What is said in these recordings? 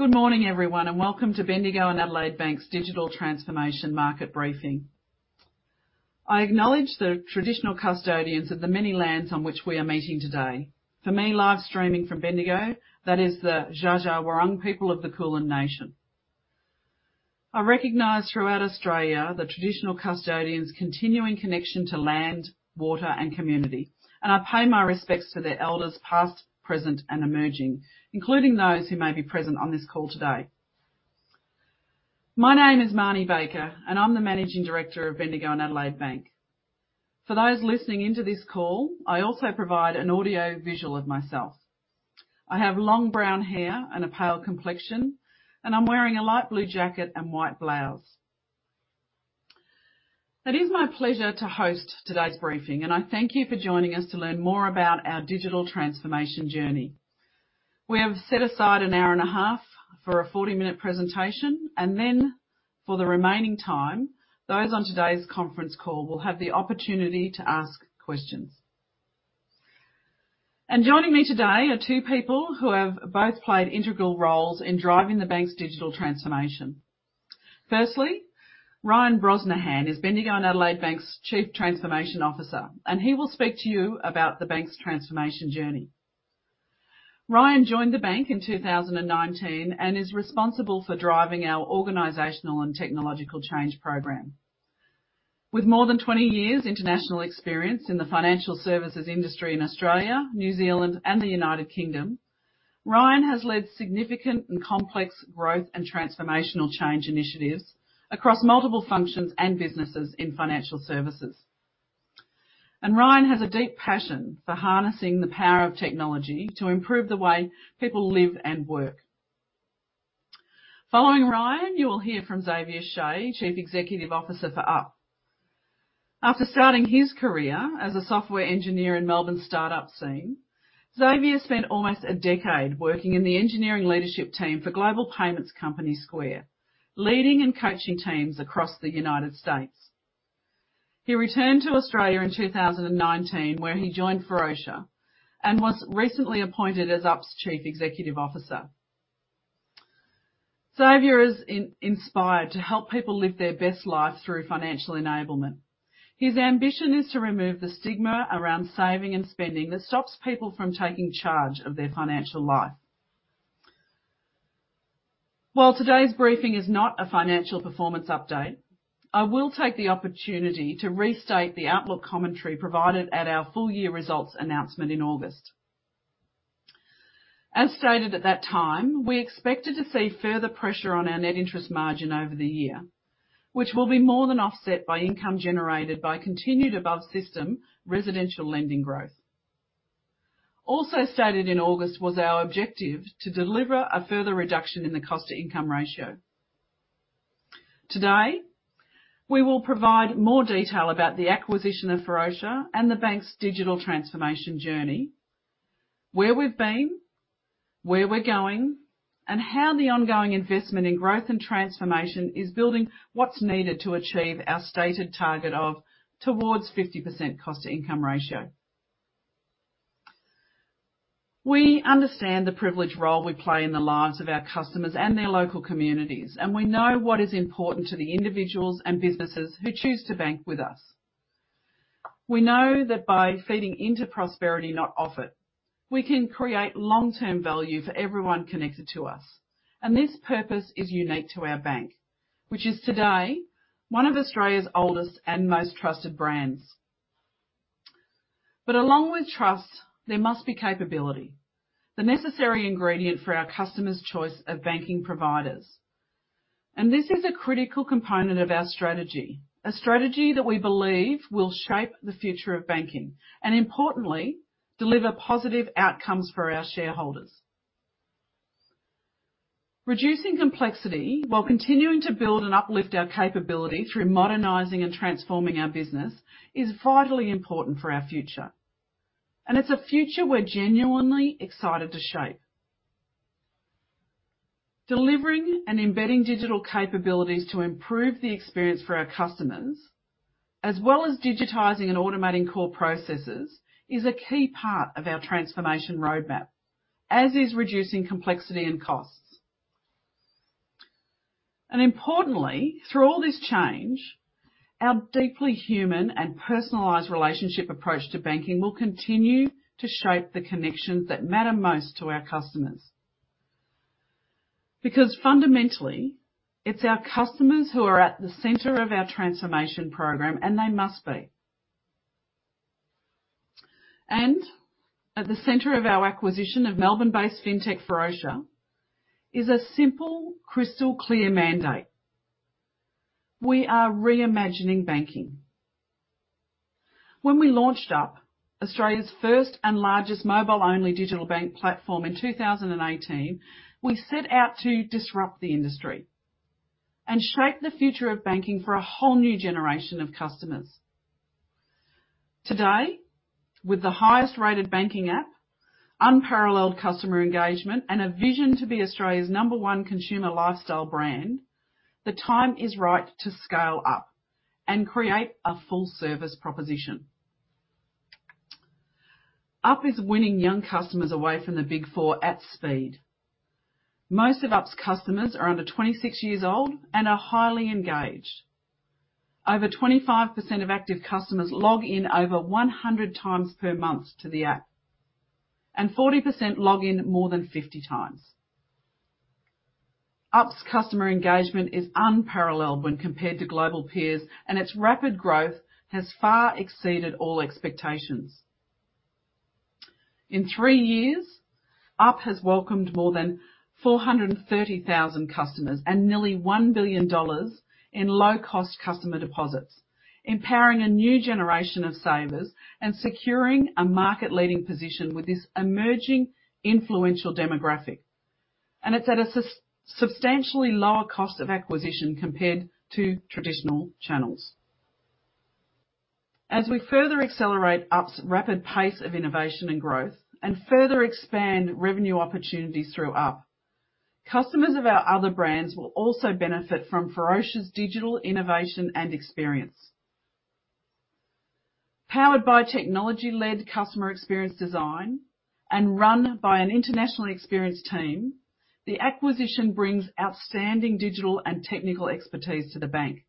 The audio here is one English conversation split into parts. Good morning, everyone, and welcome to Bendigo and Adelaide Bank's Digital Transformation Market Briefing. I acknowledge the traditional custodians of the many lands on which we are meeting today. For me, live streaming from Bendigo, that is the Dja Dja Wurrung people of the Kulin nation. I recognize throughout Australia the traditional custodians' continuing connection to land, water, and community, and I pay my respects to their elders past, present, and emerging, including those who may be present on this call today. My name is Marnie Baker, and I'm the Managing Director of Bendigo and Adelaide Bank. For those listening in to this call, I also provide an audiovisual of myself. I have long brown hair and a pale complexion, and I'm wearing a light blue jacket and white blouse. It is my pleasure to host today's briefing, and I thank you for joining us to learn more about our digital transformation journey. We have set aside an hour and a half for a 40 minute presentation, and then for the remaining time, those on today's conference call will have the opportunity to ask questions. Joining me today are two people who have both played integral roles in driving the bank's digital transformation. Firstly, Ryan Brosnahan is Bendigo and Adelaide Bank's Chief Transformation Officer, and he will speak to you about the bank's transformation journey. Ryan joined the bank in 2019 and is responsible for driving our organizational and technological change program. With more than 20 years international experience in the financial services industry in Australia, New Zealand, and the United Kingdom, Ryan has led significant and complex growth and transformational change initiatives across multiple functions and businesses in financial services. Ryan has a deep passion for harnessing the power of technology to improve the way people live and work. Following Ryan, you will hear from Xavier Shay, Chief Executive Officer for Up. After starting his career as a software engineer in Melbourne's startup scene, Xavier spent almost a decade working in the engineering leadership team for global payments company Square, leading and coaching teams across the United States. He returned to Australia in 2019, where he joined Ferocia and was recently appointed as Up's Chief Executive Officer. Xavier is inspired to help people live their best lives through financial enablement. His ambition is to remove the stigma around saving and spending that stops people from taking charge of their financial life. While today's briefing is not a financial performance update, I will take the opportunity to restate the outlook commentary provided at our full year results announcement in August. As stated at that time, we expected to see further pressure on our net interest margin over the year, which will be more than offset by income generated by continued above-system residential lending growth. Also stated in August was our objective to deliver a further reduction in the cost-to-income ratio. Today, we will provide more detail about the acquisition of Ferocia and the bank's digital transformation journey, where we've been, where we're going, and how the ongoing investment in growth and transformation is building what's needed to achieve our stated target of toward 50% cost-to-income ratio. We understand the privileged role we play in the lives of our customers and their local communities, and we know what is important to the individuals and businesses who choose to bank with us. We know that by feeding into prosperity, not off it, we can create long-term value for everyone connected to us. This purpose is unique to our bank, which is today one of Australia's oldest and most trusted brands. Along with trust, there must be capability, the necessary ingredient for our customers' choice of banking providers. This is a critical component of our strategy, a strategy that we believe will shape the future of banking and importantly, deliver positive outcomes for our shareholders. Reducing complexity while continuing to build and uplift our capability through modernizing and transforming our business is vitally important for our future, and it's a future we're genuinely excited to shape. Delivering and embedding digital capabilities to improve the experience for our customers, as well as digitizing and automating core processes, is a key part of our transformation roadmap, as is reducing complexity and costs. Importantly, through all this change, our deeply human and personalized relationship approach to banking will continue to shape the connections that matter most to our customers. Because fundamentally, it's our customers who are at the center of our transformation program, and they must be. At the center of our acquisition of Melbourne-based fintech, Ferocia, is a simple, crystal clear mandate. We are reimagining banking. When we launched Up, Australia's first and largest mobile-only digital bank platform in 2018, we set out to disrupt the industry and shape the future of banking for a whole new generation of customers. Today, with the highest-rated banking app, unparalleled customer engagement, and a vision to be Australia's number one consumer lifestyle brand, the time is right to scale up and create a full service proposition. Up is winning young customers away from the Big Four at speed. Most of Up's customers are under 26 years old and are highly engaged. Over 25% of active customers log in over 100 times per month to the app, and 40% log in more than 50 times. Up's customer engagement is unparalleled when compared to global peers, and its rapid growth has far exceeded all expectations. In three years, Up has welcomed more than 430,000 customers and nearly 1 billion dollars in low-cost customer deposits, empowering a new generation of savers and securing a market-leading position with this emerging influential demographic. It's at a substantially lower cost of acquisition compared to traditional channels. As we further accelerate Up's rapid pace of innovation and growth and further expand revenue opportunities through Up, customers of our other brands will also benefit from Ferocia's digital innovation and experience. Powered by technology-led customer experience design and run by an internationally experienced team, the acquisition brings outstanding digital and technical expertise to the bank.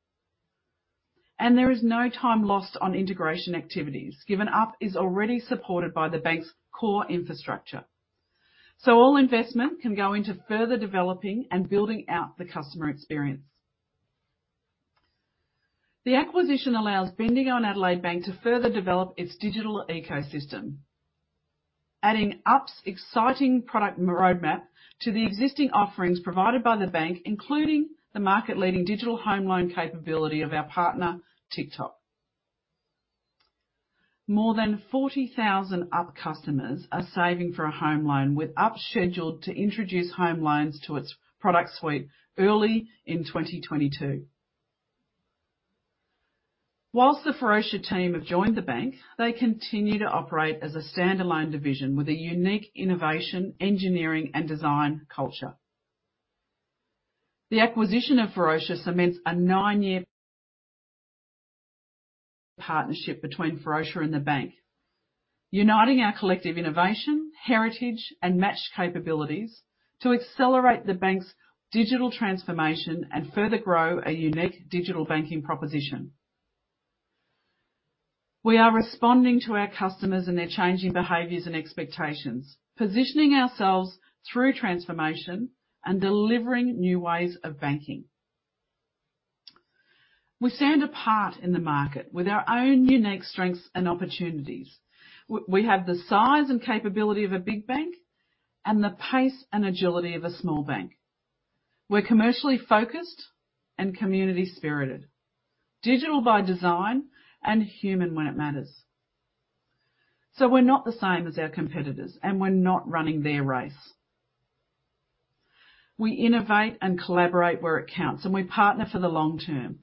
There is no time lost on integration activities, given Up is already supported by the bank's core infrastructure. All investment can go into further developing and building out the customer experience. The acquisition allows Bendigo and Adelaide Bank to further develop its digital ecosystem, adding Up's exciting product roadmap to the existing offerings provided by the bank, including the market-leading digital home loan capability of our partner, Tic:Toc. More than 40,000 Up customers are saving for a home loan, with Up scheduled to introduce home loans to its product suite early in 2022. While the Ferocia team have joined the bank, they continue to operate as a standalone division with a unique innovation, engineering, and design culture. The acquisition of Ferocia cements a nine year partnership between Ferocia and the bank, uniting our collective innovation, heritage, and match capabilities to accelerate the bank's digital transformation and further grow a unique digital banking proposition. We are responding to our customers and their changing behaviors and expectations, positioning ourselves through transformation and delivering new ways of banking. We stand apart in the market with our own unique strengths and opportunities. We have the size and capability of a big bank and the pace and agility of a small bank. We're commercially focused and community-spirited, digital by design, and human when it matters. We're not the same as our competitors, and we're not running their race. We innovate and collaborate where it counts, and we partner for the long term.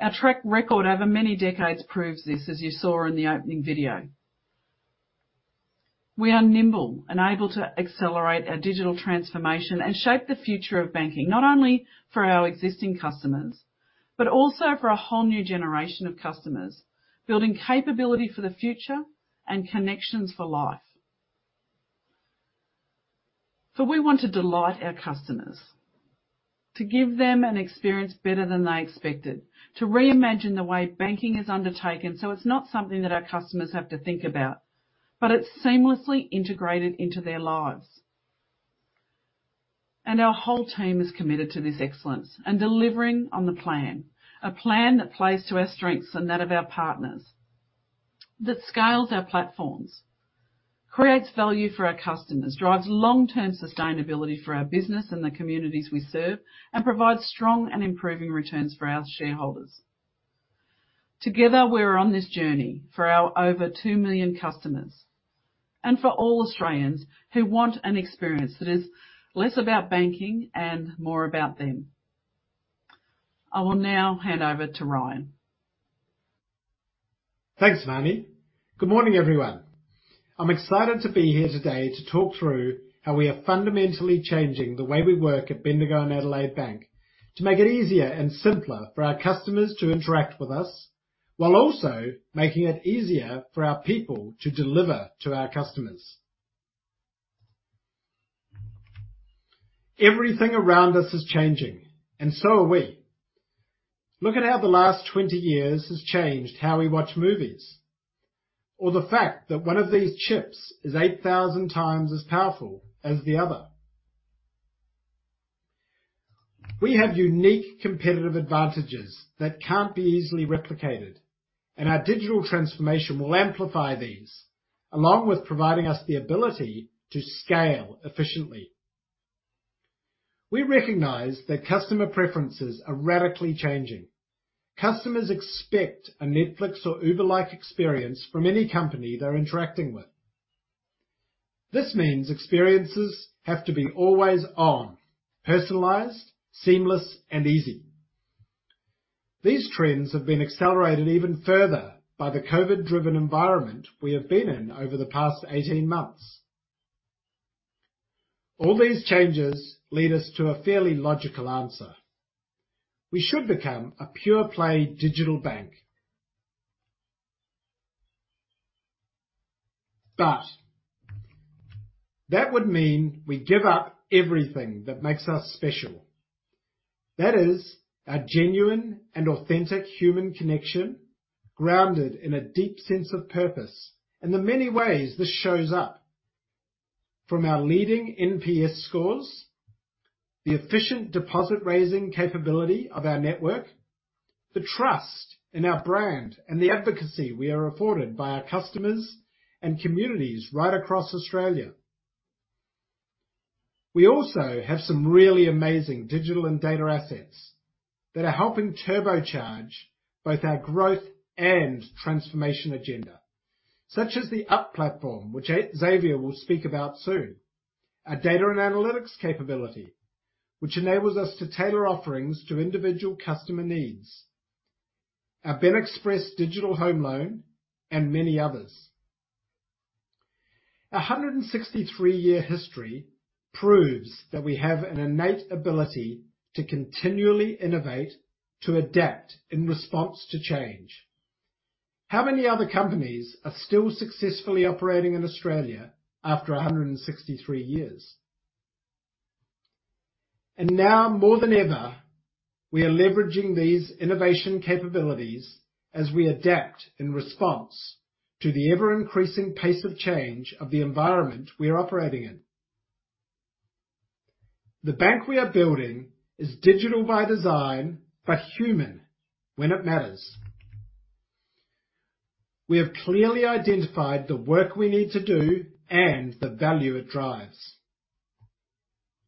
Our track record over many decades proves this, as you saw in the opening video. We are nimble and able to accelerate our digital transformation and shape the future of banking, not only for our existing customers, but also for a whole new generation of customers, building capability for the future and connections for life. We want to delight our customers, to give them an experience better than they expected, to reimagine the way banking is undertaken, so it's not something that our customers have to think about, but it's seamlessly integrated into their lives. Our whole team is committed to this excellence and delivering on the plan, a plan that plays to our strengths and that of our partners, that scales our platforms, creates value for our customers, drives long-term sustainability for our business and the communities we serve, and provides strong and improving returns for our shareholders. Together, we're on this journey for our over two million customers and for all Australians who want an experience that is less about banking and more about them. I will now hand over to Ryan. Thanks, Marnie. Good morning, everyone. I'm excited to be here today to talk through how we are fundamentally changing the way we work at Bendigo and Adelaide Bank to make it easier and simpler for our customers to interact with us, while also making it easier for our people to deliver to our customers. Everything around us is changing, and so are we. Look at how the last 20 years has changed how we watch movies or the fact that one of these chips is 8,000 times as powerful as the other. We have unique competitive advantages that can't be easily replicated, and our digital transformation will amplify these, along with providing us the ability to scale efficiently. We recognize that customer preferences are radically changing. Customers expect a Netflix or Uber-like experience from any company they're interacting with. This means experiences have to be always on, personalized, seamless, and easy. These trends have been accelerated even further by the COVID-driven environment we have been in over the past 18 months. All these changes lead us to a fairly logical answer. We should become a pure play digital bank. But that would mean we give up everything that makes us special. That is, a genuine and authentic human connection, grounded in a deep sense of purpose, and the many ways this shows up. From our leading NPS scores, the efficient deposit-raising capability of our network, the trust in our brand, and the advocacy we are afforded by our customers and communities right across Australia. We also have some really amazing digital and data assets that are helping turbocharge both our growth and transformation agenda, such as the Up platform, which Xavier will speak about soon. Our data and analytics capability, which enables us to tailor offerings to individual customer needs, our BEN Express digital home loan, and many others. Our 163 year history proves that we have an innate ability to continually innovate, to adapt in response to change. How many other companies are still successfully operating in Australia after 163 years? Now more than ever, we are leveraging these innovation capabilities as we adapt in response to the ever-increasing pace of change of the environment we are operating in. The bank we are building is digital by design, but human when it matters. We have clearly identified the work we need to do and the value it drives.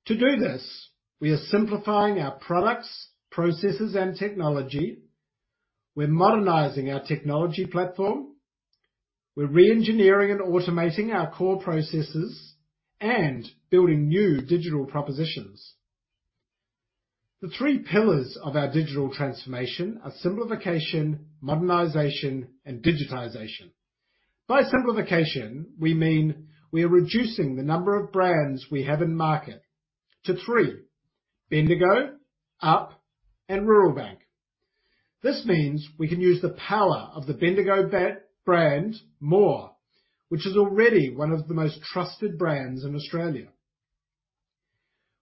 To do this, we are simplifying our products, processes and technology. We're modernizing our technology platform. We're re-engineering and automating our core processes and building new digital propositions. The three pillars of our digital transformation are simplification, modernization, and digitization. By simplification, we mean we are reducing the number of brands we have in market to three, Bendigo, Up, and Rural Bank. This means we can use the power of the Bendigo brand more, which is already one of the most trusted brands in Australia.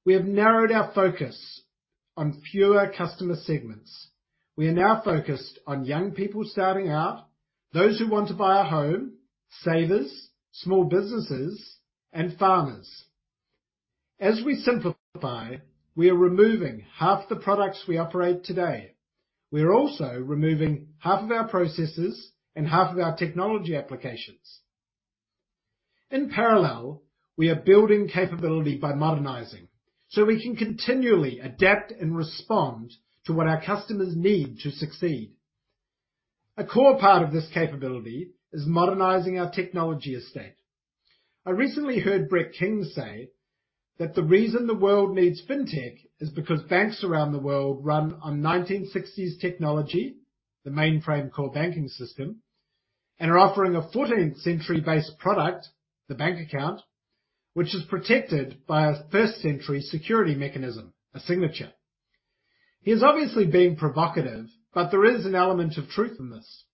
We have narrowed our focus on fewer customer segments. We are now focused on young people starting out, those who want to buy a home, savers, small businesses, and farmers. As we simplify, we are removing half the products we operate today. We are also removing half of our processes and half of our technology applications. In parallel, we are building capability by modernizing, so we can continually adapt and respond to what our customers need to succeed. A core part of this capability is modernizing our technology estate. I recently heard Brett King say that the reason the world needs fintech is because banks around the world run on 1960s technology, the mainframe core banking system, and are offering a 14th century based product, the bank account, which is protected by a 1st century security mechanism, a signature. He is obviously being provocative, but there is an element of truth in this.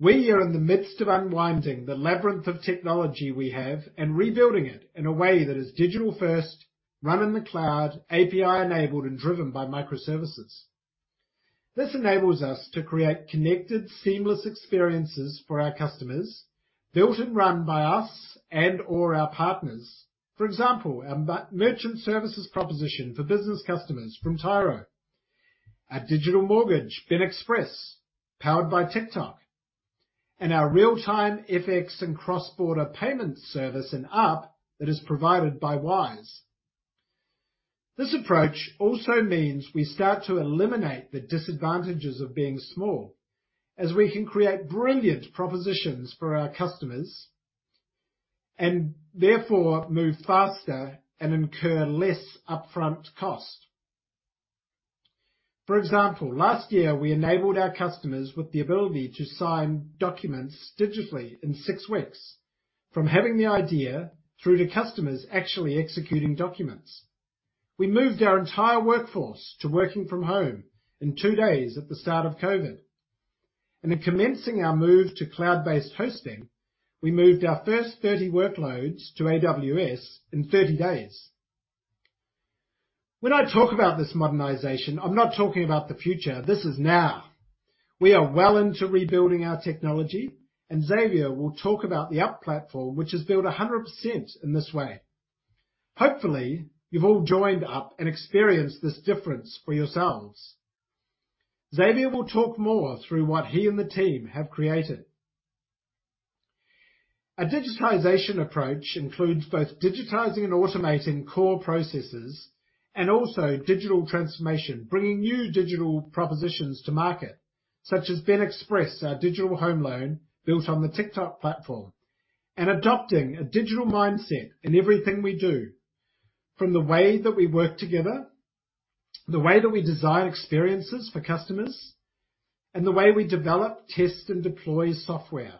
We are in the midst of unwinding the labyrinth of technology we have and rebuilding it in a way that is digital first, run in the cloud, API-enabled, and driven by microservices. This enables us to create connected, seamless experiences for our customers, built and run by us and/or our partners. For example, our merchant services proposition for business customers from Tyro. Our digital mortgage, BEN Express, powered by Tic:Toc, and our real-time FX and cross-border payments service in Up that is provided by Wise. This approach also means we start to eliminate the disadvantages of being small, as we can create brilliant propositions for our customers and therefore move faster and incur less upfront cost. For example, last year, we enabled our customers with the ability to sign documents digitally in six weeks from having the idea through to customers actually executing documents. We moved our entire workforce to working from home in two days at the start of COVID. In commencing our move to cloud-based hosting, we moved our first 30 workloads to AWS in 30 days. When I talk about this modernization, I'm not talking about the future. This is now. We are well into rebuilding our technology, and Xavier will talk about the Up platform, which is built 100% in this way. Hopefully, you've all joined Up and experienced this difference for yourselves. Xavier will talk more through what he and the team have created. A digitization approach includes both digitizing and automating core processes and also digital transformation, bringing new digital propositions to market, such as BEN Express, our digital home loan built on the Tic:Toc platform, and adopting a digital mindset in everything we do, from the way that we work together, the way that we design experiences for customers and the way we develop, test, and deploy software.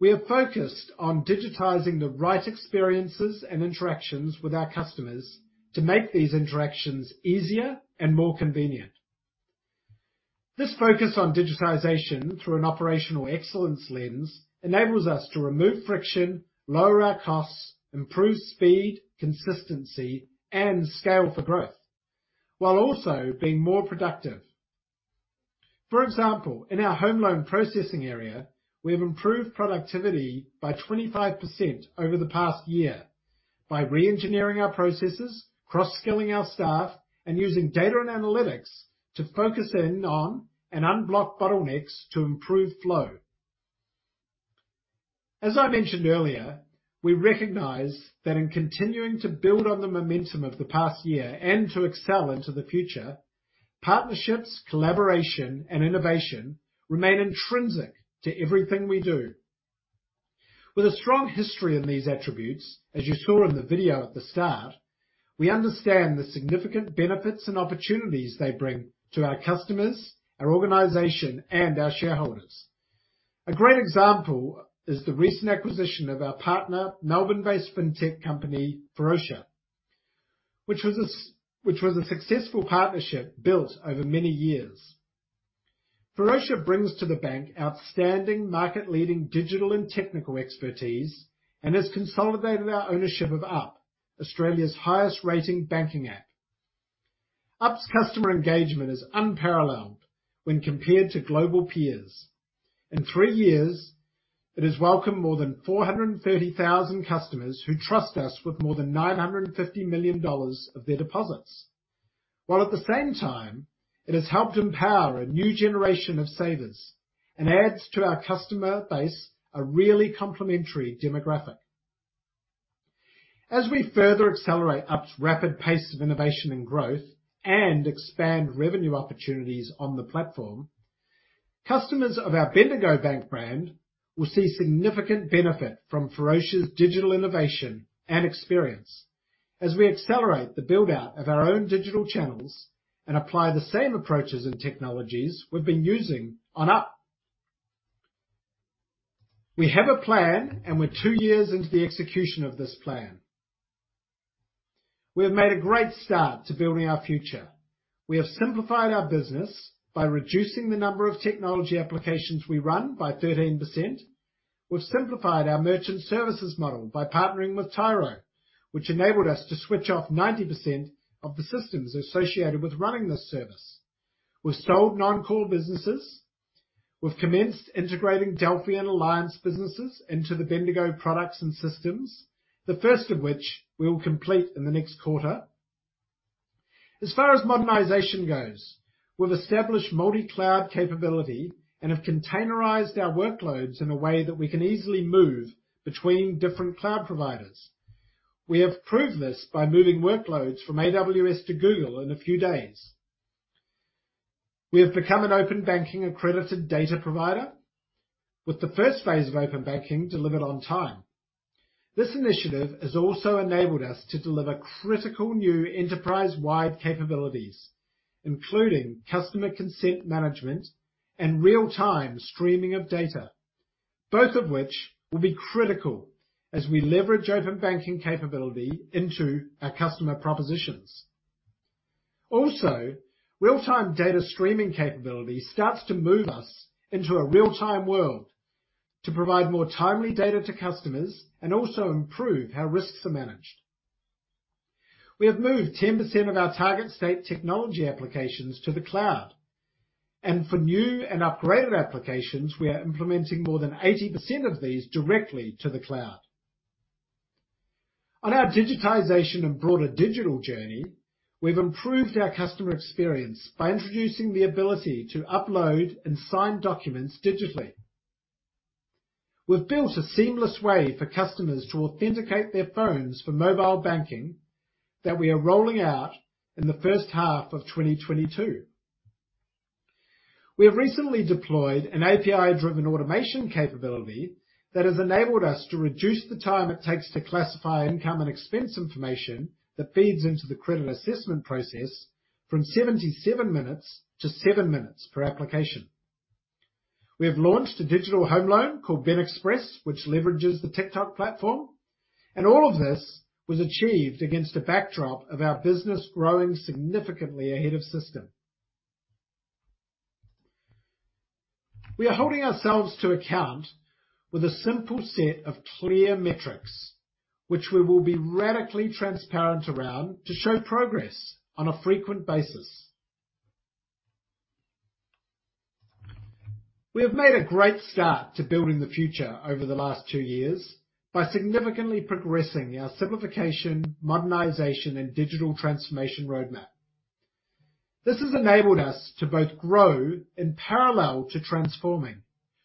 We are focused on digitizing the right experiences and interactions with our customers to make these interactions easier and more convenient. This focus on digitization through an operational excellence lens enables us to remove friction, lower our costs, improve speed, consistency, and scale for growth while also being more productive. For example, in our home loan processing area, we have improved productivity by 25% over the past year by re-engineering our processes, cross-skilling our staff, and using data and analytics to focus in on and unblock bottlenecks to improve flow. As I mentioned earlier, we recognize that in continuing to build on the momentum of the past year and to excel into the future, partnerships, collaboration, and innovation remain intrinsic to everything we do. With a strong history in these attributes, as you saw in the video at the start, we understand the significant benefits and opportunities they bring to our customers, our organization, and our shareholders. A great example is the recent acquisition of our partner, Melbourne-based fintech company, Ferocia, which was a successful partnership built over many years. Ferocia brings to the bank outstanding market-leading digital and technical expertise and has consolidated our ownership of Up, Australia's highest rating banking app. Up's customer engagement is unparalleled when compared to global peers. In three years, it has welcomed more than 430,000 customers who trust us with more than 950 million dollars of their deposits, while at the same time, it has helped empower a new generation of savers and adds to our customer base a really complementary demographic. As we further accelerate Up's rapid pace of innovation and growth and expand revenue opportunities on the platform, customers of our Bendigo Bank brand will see significant benefit from Ferocia's digital innovation and experience as we accelerate the build-out of our own digital channels and apply the same approaches and technologies we've been using on Up. We have a plan, and we're two years into the execution of this plan. We have made a great start to building our future. We have simplified our business by reducing the number of technology applications we run by 13%. We've simplified our merchant services model by partnering with Tyro, which enabled us to switch off 90% of the systems associated with running this service. We've sold non-core businesses. We've commenced integrating Delphi and Alliance businesses into the Bendigo products and systems, the first of which we will complete in the next quarter. As far as modernization goes, we've established multi-cloud capability and have containerized our workloads in a way that we can easily move between different cloud providers. We have proved this by moving workloads from AWS to Google in a few days. We have become an open banking accredited data provider with the phase I of open banking delivered on time. This initiative has also enabled us to deliver critical new enterprise-wide capabilities, including customer consent management and real-time streaming of data, both of which will be critical as we leverage open banking capability into our customer propositions. Also, real-time data streaming capability starts to move us into a real-time world to provide more timely data to customers and also improve how risks are managed. We have moved 10% of our target state technology applications to the cloud. For new and upgraded applications, we are implementing more than 80% of these directly to the cloud. On our digitization and broader digital journey, we've improved our customer experience by introducing the ability to upload and sign documents digitally. We've built a seamless way for customers to authenticate their phones for mobile banking that we are rolling out in the first half of 2022. We have recently deployed an API-driven automation capability that has enabled us to reduce the time it takes to classify income and expense information that feeds into the credit assessment process from 77 minutes to seven minutes per application. We have launched a digital home loan called BEN Express, which leverages the Tic:Toc platform. All of this was achieved against a backdrop of our business growing significantly ahead of system. We are holding ourselves to account with a simple set of clear metrics, which we will be radically transparent around to show progress on a frequent basis. We have made a great start to building the future over the last two years by significantly progressing our simplification, modernization, and digital transformation roadmap. This has enabled us to both grow in parallel to transforming,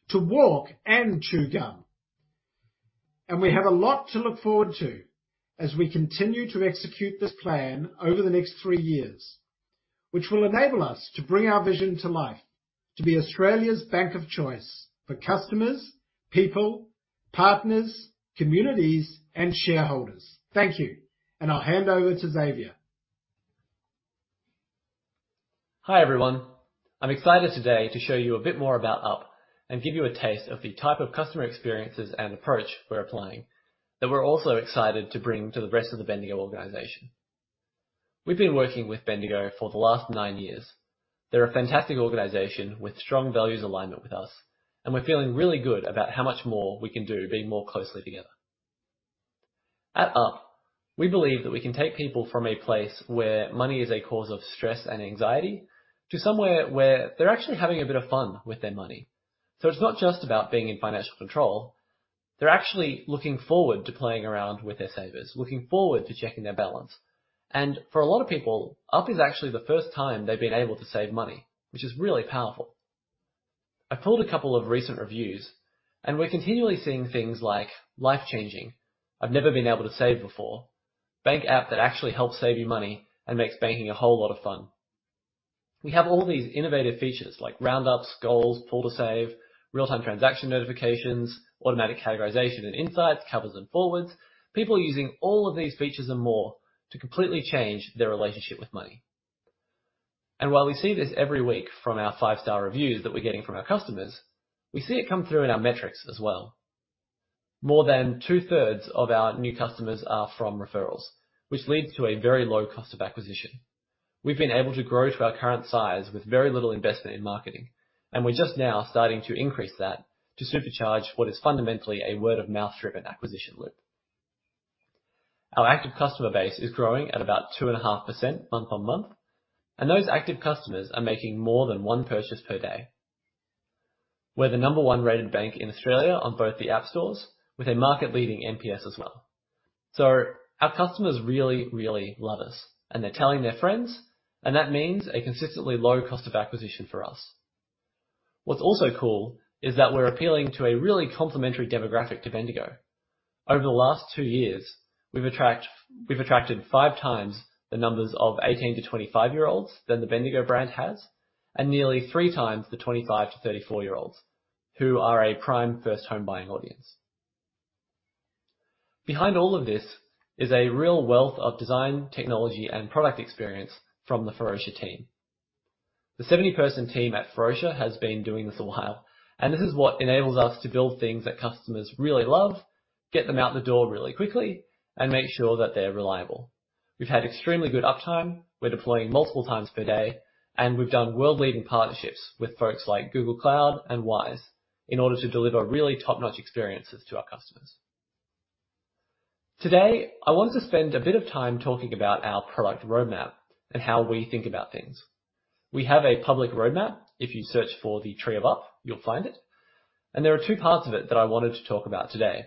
to walk and chew gum. We have a lot to look forward to as we continue to execute this plan over the next three years, which will enable us to bring our vision to life, to be Australia's bank of choice for customers, people, partners, communities, and shareholders. Thank you. I'll hand over to Xavier. Hi, everyone. I'm excited today to show you a bit more about Up and give you a taste of the type of customer experiences and approach we're applying that we're also excited to bring to the rest of the Bendigo organization. We've been working with Bendigo for the last nine years. They're a fantastic organization with strong values alignment with us, and we're feeling really good about how much more we can do being more closely together. At Up, we believe that we can take people from a place where money is a cause of stress and anxiety to somewhere where they're actually having a bit of fun with their money. It's not just about being in financial control. They're actually looking forward to playing around with their savers, looking forward to checking their balance. For a lot of people, Up is actually the first time they've been able to save money, which is really powerful. I've pulled a couple of recent reviews, and we're continually seeing things like Life-changing. I've never been able to save before, Bank app that actually helps save you money and makes banking a whole lot of fun. We have all these innovative features like roundups, goals, pull to save, real-time transaction notifications, automatic categorization and insights, covers and forwards. People are using all of these features and more to completely change their relationship with money. While we see this every week from our five-star reviews that we're getting from our customers, we see it come through in our metrics as well. More than 2/3 of our new customers are from referrals, which leads to a very low cost of acquisition. We've been able to grow to our current size with very little investment in marketing, and we're just now starting to increase that to supercharge what is fundamentally a word-of-mouth driven acquisition loop. Our active customer base is growing at about 2.5% month-on-month, and those active customers are making more than one purchase per day. We're the number one rated bank in Australia on both the app stores with a market-leading NPS as well. Our customers really, really love us, and they're telling their friends, and that means a consistently low cost of acquisition for us. What's also cool is that we're appealing to a really complementary demographic to Bendigo. Over the last two years, we've attracted five times the numbers of 18 to 25 year-olds than the Bendigo brand has and nearly three times the 25 to 34 year olds who are a prime first home buying audience. Behind all of this is a real wealth of design, technology, and product experience from the Ferocia team. The 70 person team at Ferocia has been doing this a while, and this is what enables us to build things that customers really love, get them out the door really quickly, and make sure that they're reliable. We've had extremely good uptime. We're deploying multiple times per day, and we've done world-leading partnerships with folks like Google Cloud and Wise in order to deliver really top-notch experiences to our customers. Today, I want to spend a bit of time talking about our product roadmap and how we think about things. We have a public roadmap. If you search for The Tree of Up, you'll find it, and there are two parts of it that I wanted to talk about today.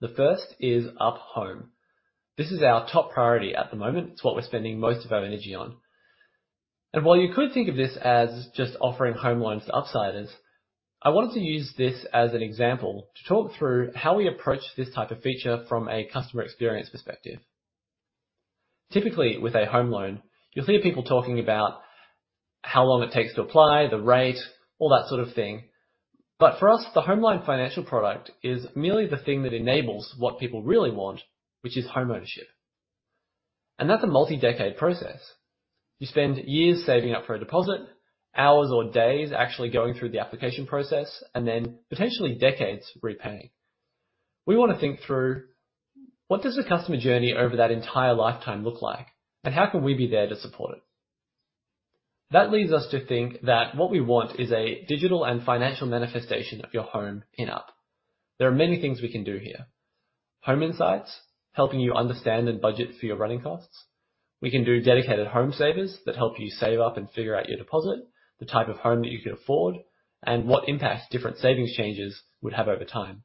The first is Up Home. This is our top priority at the moment. It's what we're spending most of our energy on. While you could think of this as just offering home loans to upsiders, I wanted to use this as an example to talk through how we approach this type of feature from a customer experience perspective. Typically, with a home loan, you'll see people talking about how long it takes to apply, the rate, all that sort of thing. For us, the home loan financial product is merely the thing that enables what people really want, which is homeownership, and that's a multi-decade process. You spend years saving up for a deposit, hours or days actually going through the application process, and then potentially decades repaying. We wanna think through what does the customer journey over that entire lifetime look like, and how can we be there to support it? That leads us to think that what we want is a digital and financial manifestation of your home in Up. There are many things we can do here. Home insights, helping you understand and budget for your running costs. We can do dedicated home savers that help you save up and figure out your deposit, the type of home that you could afford, and what impact different savings changes would have over time.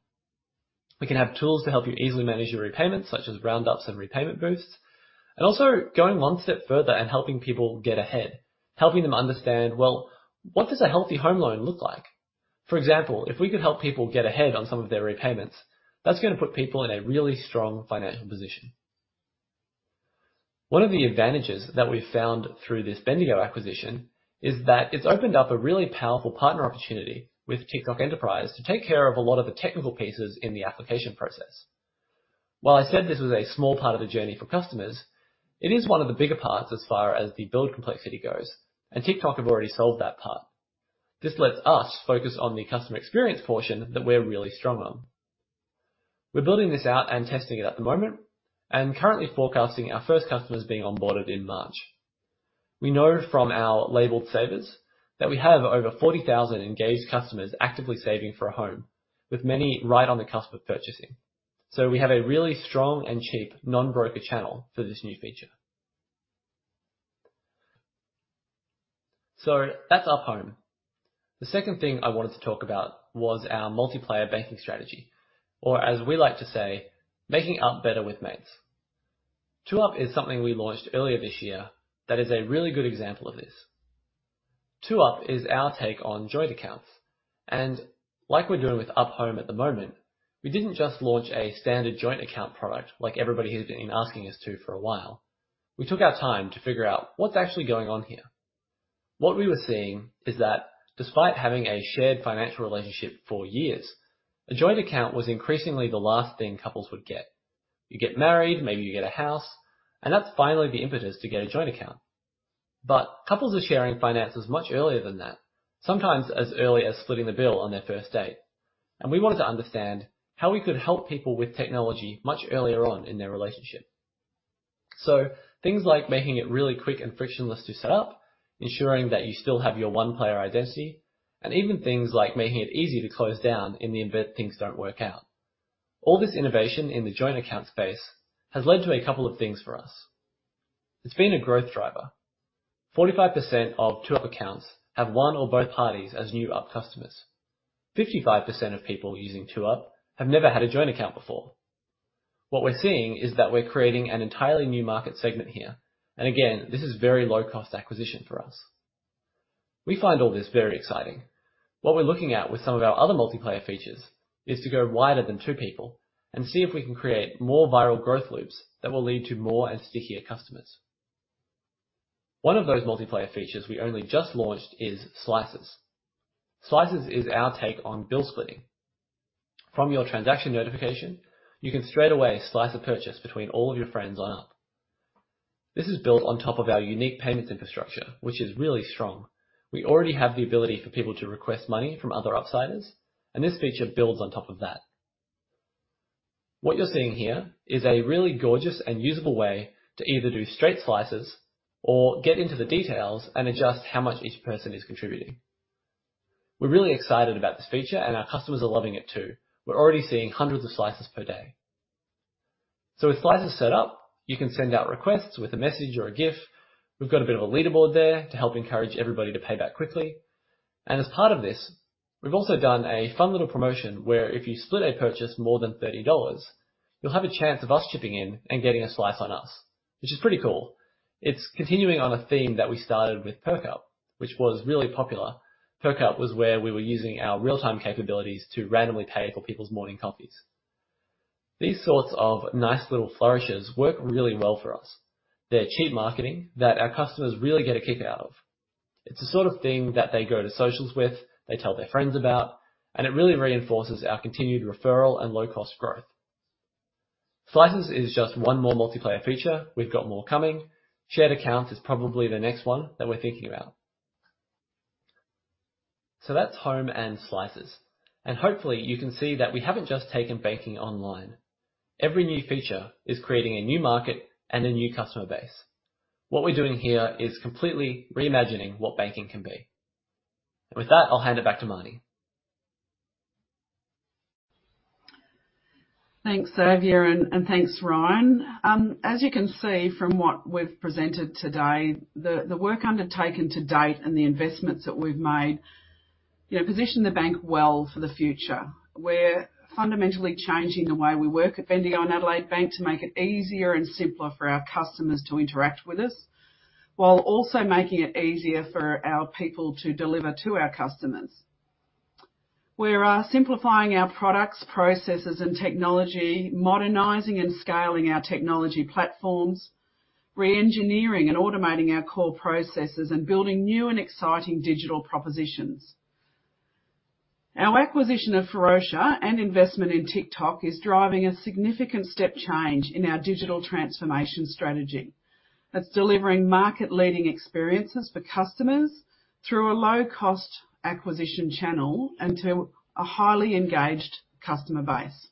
We can have tools to help you easily manage your repayments, such as roundups and repayment boosts, and also going one step further and helping people get ahead, helping them understand, well, what does a healthy home loan look like? For example, if we could help people get ahead on some of their repayments, that's gonna put people in a really strong financial position. One of the advantages that we've found through this Bendigo acquisition is that it's opened up a really powerful partner opportunity with Tic:Toc Enterprise to take care of a lot of the technical pieces in the application process. While I said this was a small part of the journey for customers, it is one of the bigger parts as far as the build complexity goes, and Tic:Toc have already solved that part. This lets us focus on the customer experience portion that we're really strong on. We're building this out and testing it at the moment and currently forecasting our first customers being onboarded in March. We know from our labeled savers that we have over 40,000 engaged customers actively saving for a home, with many right on the cusp of purchasing. We have a really strong and cheap non-broker channel for this new feature. That's Up Home. The second thing I wanted to talk about was our multiplayer banking strategy, or as we like to say, "Making Up better with mates." 2Up is something we launched earlier this year that is a really good example of this. 2Up is our take on joint accounts and like we're doing with Up Home at the moment, we didn't just launch a standard joint account product like everybody has been asking us to for a while. We took our time to figure out what's actually going on here. What we were seeing is that despite having a shared financial relationship for years, a joint account was increasingly the last thing couples would get. You get married, maybe you get a house, and that's finally the impetus to get a joint account. Couples are sharing finances much earlier than that, sometimes as early as splitting the bill on their first date. We wanted to understand how we could help people with technology much earlier on in their relationship. Things like making it really quick and frictionless to set up, ensuring that you still have your one player identity, and even things like making it easy to close down in the event things don't work out. All this innovation in the joint account space has led to a couple of things for us. It's been a growth driver. 45% of 2Up accounts have one or both parties as new Up customers. 55% of people using 2Up have never had a joint account before. What we're seeing is that we're creating an entirely new market segment here. Again, this is very low cost acquisition for us. We find all this very exciting. What we're looking at with some of our other multiplayer features is to go wider than two people and see if we can create more viral growth loops that will lead to more and stickier customers. One of those multiplayer features we only just launched is Slices. Slices is our take on bill splitting. From your transaction notification, you can straightaway slice a purchase between all of your friends on Up. This is built on top of our unique payments infrastructure, which is really strong. We already have the ability for people to request money from other upsiders, and this feature builds on top of that. What you're seeing here is a really gorgeous and usable way to either do straight Slices or get into the details and adjust how much each person is contributing. We're really excited about this feature and our customers are loving it too. We're already seeing hundreds of Slices per day. With Slices set up, you can send out requests with a message or a GIF. We've got a bit of a leaderboard there to help encourage everybody to pay back quickly. As part of this, we've also done a fun little promotion where if you split a purchase more than 30 dollars, you'll have a chance of us chipping in and getting a slice on us, which is pretty cool. It's continuing on a theme that we started with Perk Up, which was really popular. Perk Up was where we were using our real-time capabilities to randomly pay for people's morning coffees. These sorts of nice little flourishes work really well for us. They're cheap marketing that our customers really get a kick out of. It's the sort of thing that they go to socials with, they tell their friends about, and it really reinforces our continued referral and low cost growth. Slices is just one more multiplayer feature. We've got more coming. Shared accounts is probably the next one that we're thinking about. That's Home and Slices, and hopefully you can see that we haven't just taken banking online. Every new feature is creating a new market and a new customer base. What we're doing here is completely reimagining what banking can be. With that, I'll hand it back to Marnie. Thanks, Xavier, and thanks, Ryan. As you can see from what we've presented today, the work undertaken to date and the investments that we've made, you know, position the bank well for the future. We're fundamentally changing the way we work at Bendigo and Adelaide Bank to make it easier and simpler for our customers to interact with us, while also making it easier for our people to deliver to our customers. We're simplifying our products, processes and technology, modernizing and scaling our technology platforms, re-engineering and automating our core processes, and building new and exciting digital propositions. Our acquisition of Ferocia and investment in Tic:Toc is driving a significant step change in our digital transformation strategy that's delivering market-leading experiences for customers through a low-cost acquisition channel and to a highly engaged customer base.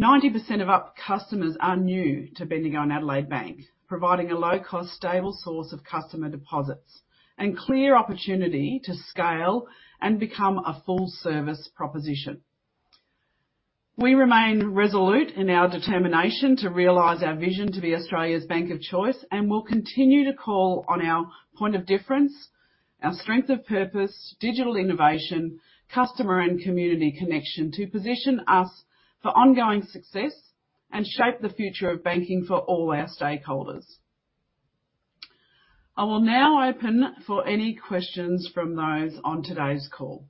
90% of Up customers are new to Bendigo and Adelaide Bank, providing a low cost, stable source of customer deposits and clear opportunity to scale and become a full service proposition. We remain resolute in our determination to realize our vision to be Australia's bank of choice and will continue to call on our point of difference, our strength of purpose, digital innovation, customer and community connection to position us for ongoing success and shape the future of banking for all our stakeholders. I will now open for any questions from those on today's call.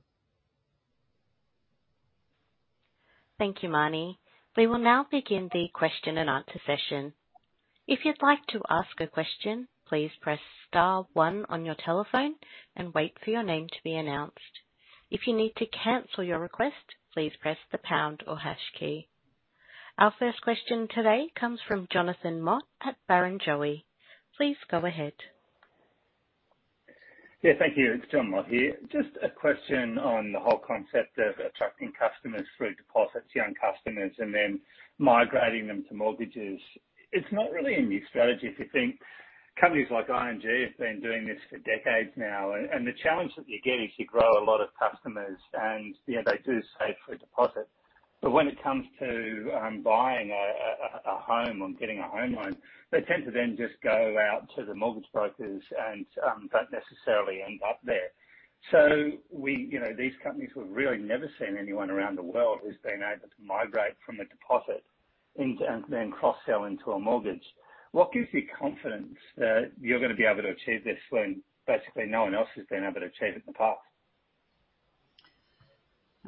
Thank you, Marnie. We will now begin the question and answer session. If you'd like to ask a question, please press star one on your telephone and wait for your name to be announced. If you need to cancel your request, please press the pound or hash key. Our first question today comes from Jonathan Mott at Barrenjoey. Please go ahead. Yeah, thank you. It's Jon Mott here. Just a question on the whole concept of attracting customers through deposits, young customers, and then migrating them to mortgages. It's not really a new strategy if you think companies like ING have been doing this for decades now. The challenge that you get is you grow a lot of customers and they do save for a deposit. But when it comes to buying a home or getting a home loan, they tend to then just go out to the mortgage brokers and don't necessarily end up there. These companies have really never seen anyone around the world who's been able to migrate from a deposit into and then cross-sell into a mortgage. What gives you confidence that you're gonna be able to achieve this when basically no one else has been able to achieve it in the past?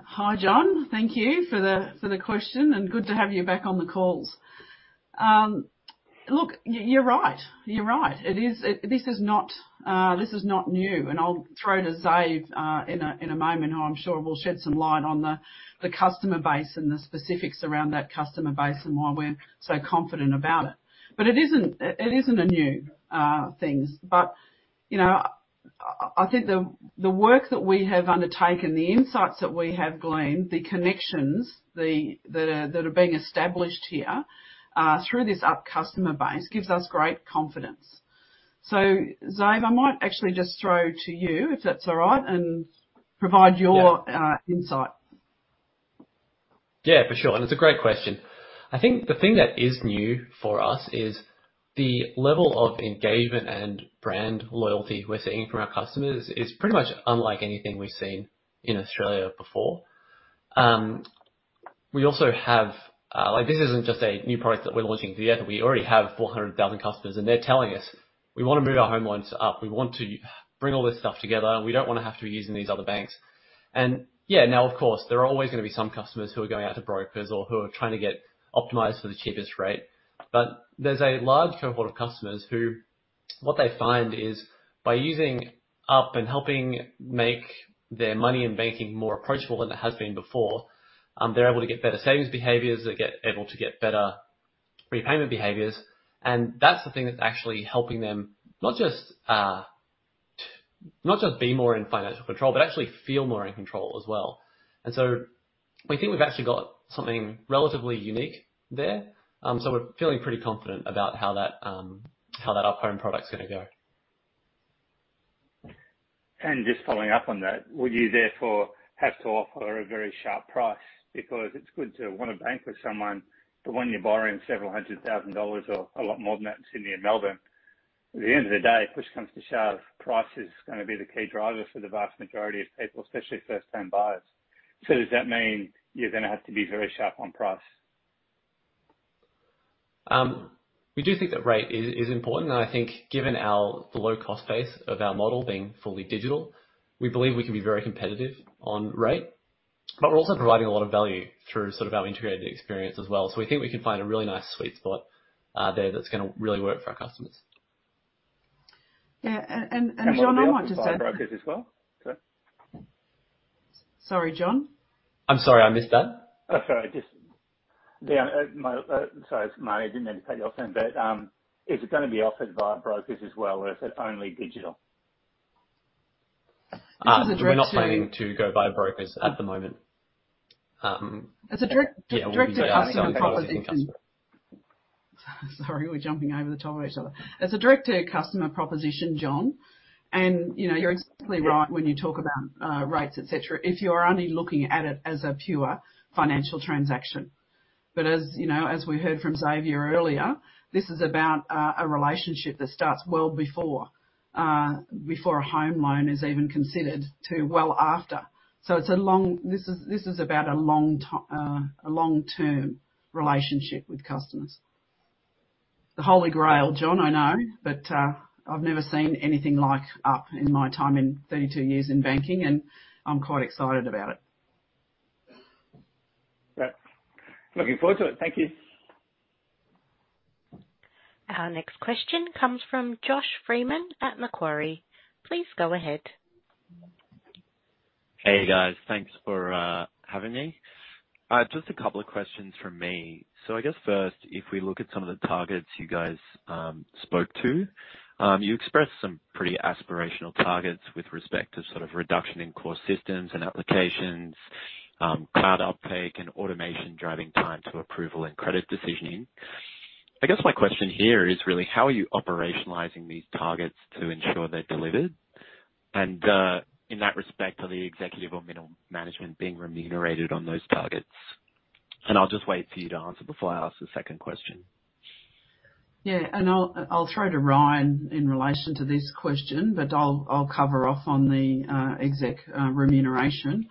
Hi, Jon. Thank you for the question, and good to have you back on the calls. Look, you're right. This is not new, and I'll throw to Xav in a moment, who I'm sure will shed some light on the customer base and the specifics around that customer base and why we're so confident about it. It isn't a new thing. You know, I think the work that we have undertaken, the insights that we have gleaned, the connections that are being established here through this Up customer base gives us great confidence. Xav, I might actually just throw to you, if that's all right, and provide your- Yeah. Insight. Yeah, for sure, and it's a great question. I think the thing that is new for us is the level of engagement and brand loyalty we're seeing from our customers is pretty much unlike anything we've seen in Australia before. Like, this isn't just a new product that we're launching together. We already have 400,000 customers, and they're telling us, We wanna move our home loans to Up. We want to bring all this stuff together, and we don't wanna have to be using these other banks. Yeah, now, of course, there are always gonna be some customers who are going out to brokers or who are trying to get optimized for the cheapest rate. There's a large cohort of customers who, what they find is, by using Up and helping make their money and banking more approachable than it has been before, they're able to get better savings behaviors. They're able to get better prepayment behaviors, and that's the thing that's actually helping them, not just be more in financial control, but actually feel more in control as well. We think we've actually got something relatively unique there. We're feeling pretty confident about how that Up Home product's gonna go. Just following up on that, would you therefore have to offer a very sharp price? Because it's good to wanna bank with someone, but when you're borrowing several 100,000 dollars or a lot more than that in Sydney and Melbourne, at the end of the day, push comes to shove, price is gonna be the key driver for the vast majority of people, especially first-time buyers. Does that mean you're gonna have to be very sharp on price? We do think that rate is important, and I think given our the low-cost base of our model being fully digital, we believe we can be very competitive on rate. We're also providing a lot of value through sort of our integrated experience as well. We think we can find a really nice sweet spot there that's gonna really work for our customers. Jon, I want to say. Will it be offered by brokers as well? Sorry. Sorry, Jon? I'm sorry, I missed that. Oh, sorry. Sorry, it's. [inaudible] Didn't mean to cut you off then. Is it gonna be offered by brokers as well, or is it only digital? This is a direct to-. We're not planning to go by brokers at the moment. It's a direct to customer proposition. Yeah, we'll be selling directly to customers. Sorry, we're jumping over the top of each other. It's a direct-to-customer proposition, Jon, and you know, you're exactly right when you talk about rates, et cetera, if you're only looking at it as a pure financial transaction. As you know, as we heard from Xavier earlier, this is about a relationship that starts well before before a home loan is even considered to well after. This is about a long-term relationship with customers. The holy grail, Jon, I know, but I've never seen anything like Up in my time in 32 years in banking, and I'm quite excited about it. Great. Looking forward to it. Thank you. Our next question comes from Josh Freiman at Macquarie. Please go ahead. Hey, guys. Thanks for having me. Just a couple of questions from me. I guess first, if we look at some of the targets you guys spoke to, you expressed some pretty aspirational targets with respect to sort of reduction in core systems and applications, card uptake and automation driving time to approval and credit decisioning. I guess my question here is really how are you operationalizing these targets to ensure they're delivered? In that respect, are the executive or middle management being remunerated on those targets? I'll just wait for you to answer before I ask the second question. Yeah, I'll throw to Ryan in relation to this question, but I'll cover off on the exec remuneration.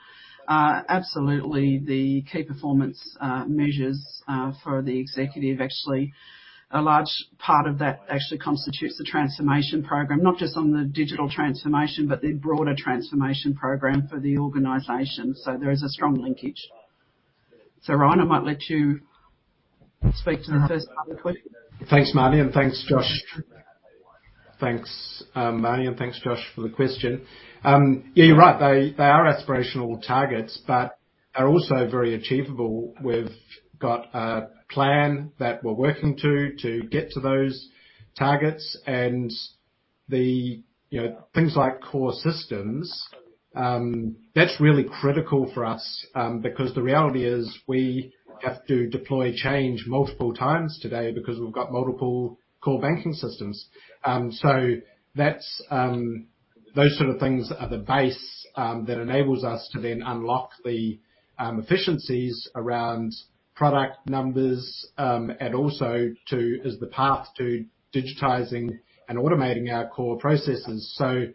Absolutely, the key performance measures for the executive, actually, a large part of that actually constitutes the transformation program. Not just on the digital transformation, but the broader transformation program for the organization. There is a strong linkage. Ryan, I might let you speak to the first part of the question. Thanks, Marnie, and thanks, Josh, for the question. Yeah, you're right. They are aspirational targets but are also very achievable. We've got a plan that we're working to get to those targets and you know, things like core systems, that's really critical for us, because the reality is we have to deploy change multiple times today because we've got multiple core banking systems. That's those sort of things are the base that enables us to then unlock the efficiencies around product numbers and also is the path to digitizing and automating our core processes. They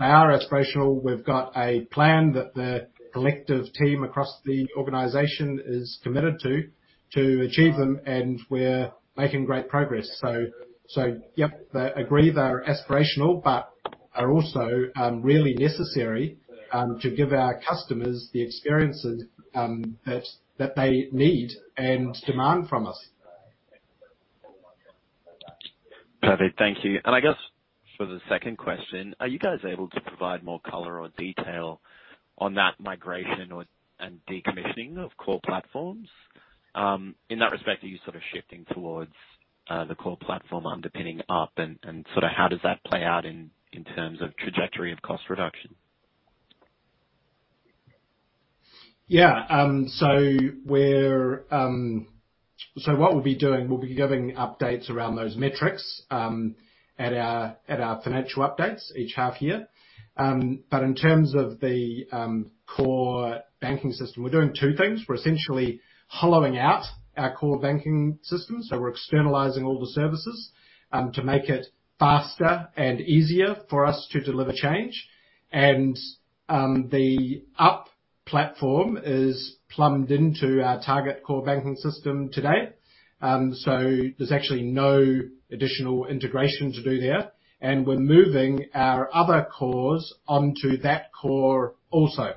are aspirational. We've got a plan that the collective team across the organization is committed to achieve them, and we're making great progress. Yep, I agree they are aspirational, but are also really necessary to give our customers the experiences that they need and demand from us. Perfect. Thank you. I guess for the second question, are you guys able to provide more color or detail on that migration and decommissioning of core platforms? In that respect, are you sort of shifting towards the core platform underpinning Up and sort of how does that play out in terms of trajectory of cost reduction? What we'll be doing, we'll be giving updates around those metrics at our financial updates each half year. In terms of the core banking system, we're doing two things. We're essentially hollowing out our core banking system, so we're externalizing all the services to make it faster and easier for us to deliver change. The Up platform is plumbed into our target core banking system today. There's actually no additional integration to do there. We're moving our other cores onto that core also.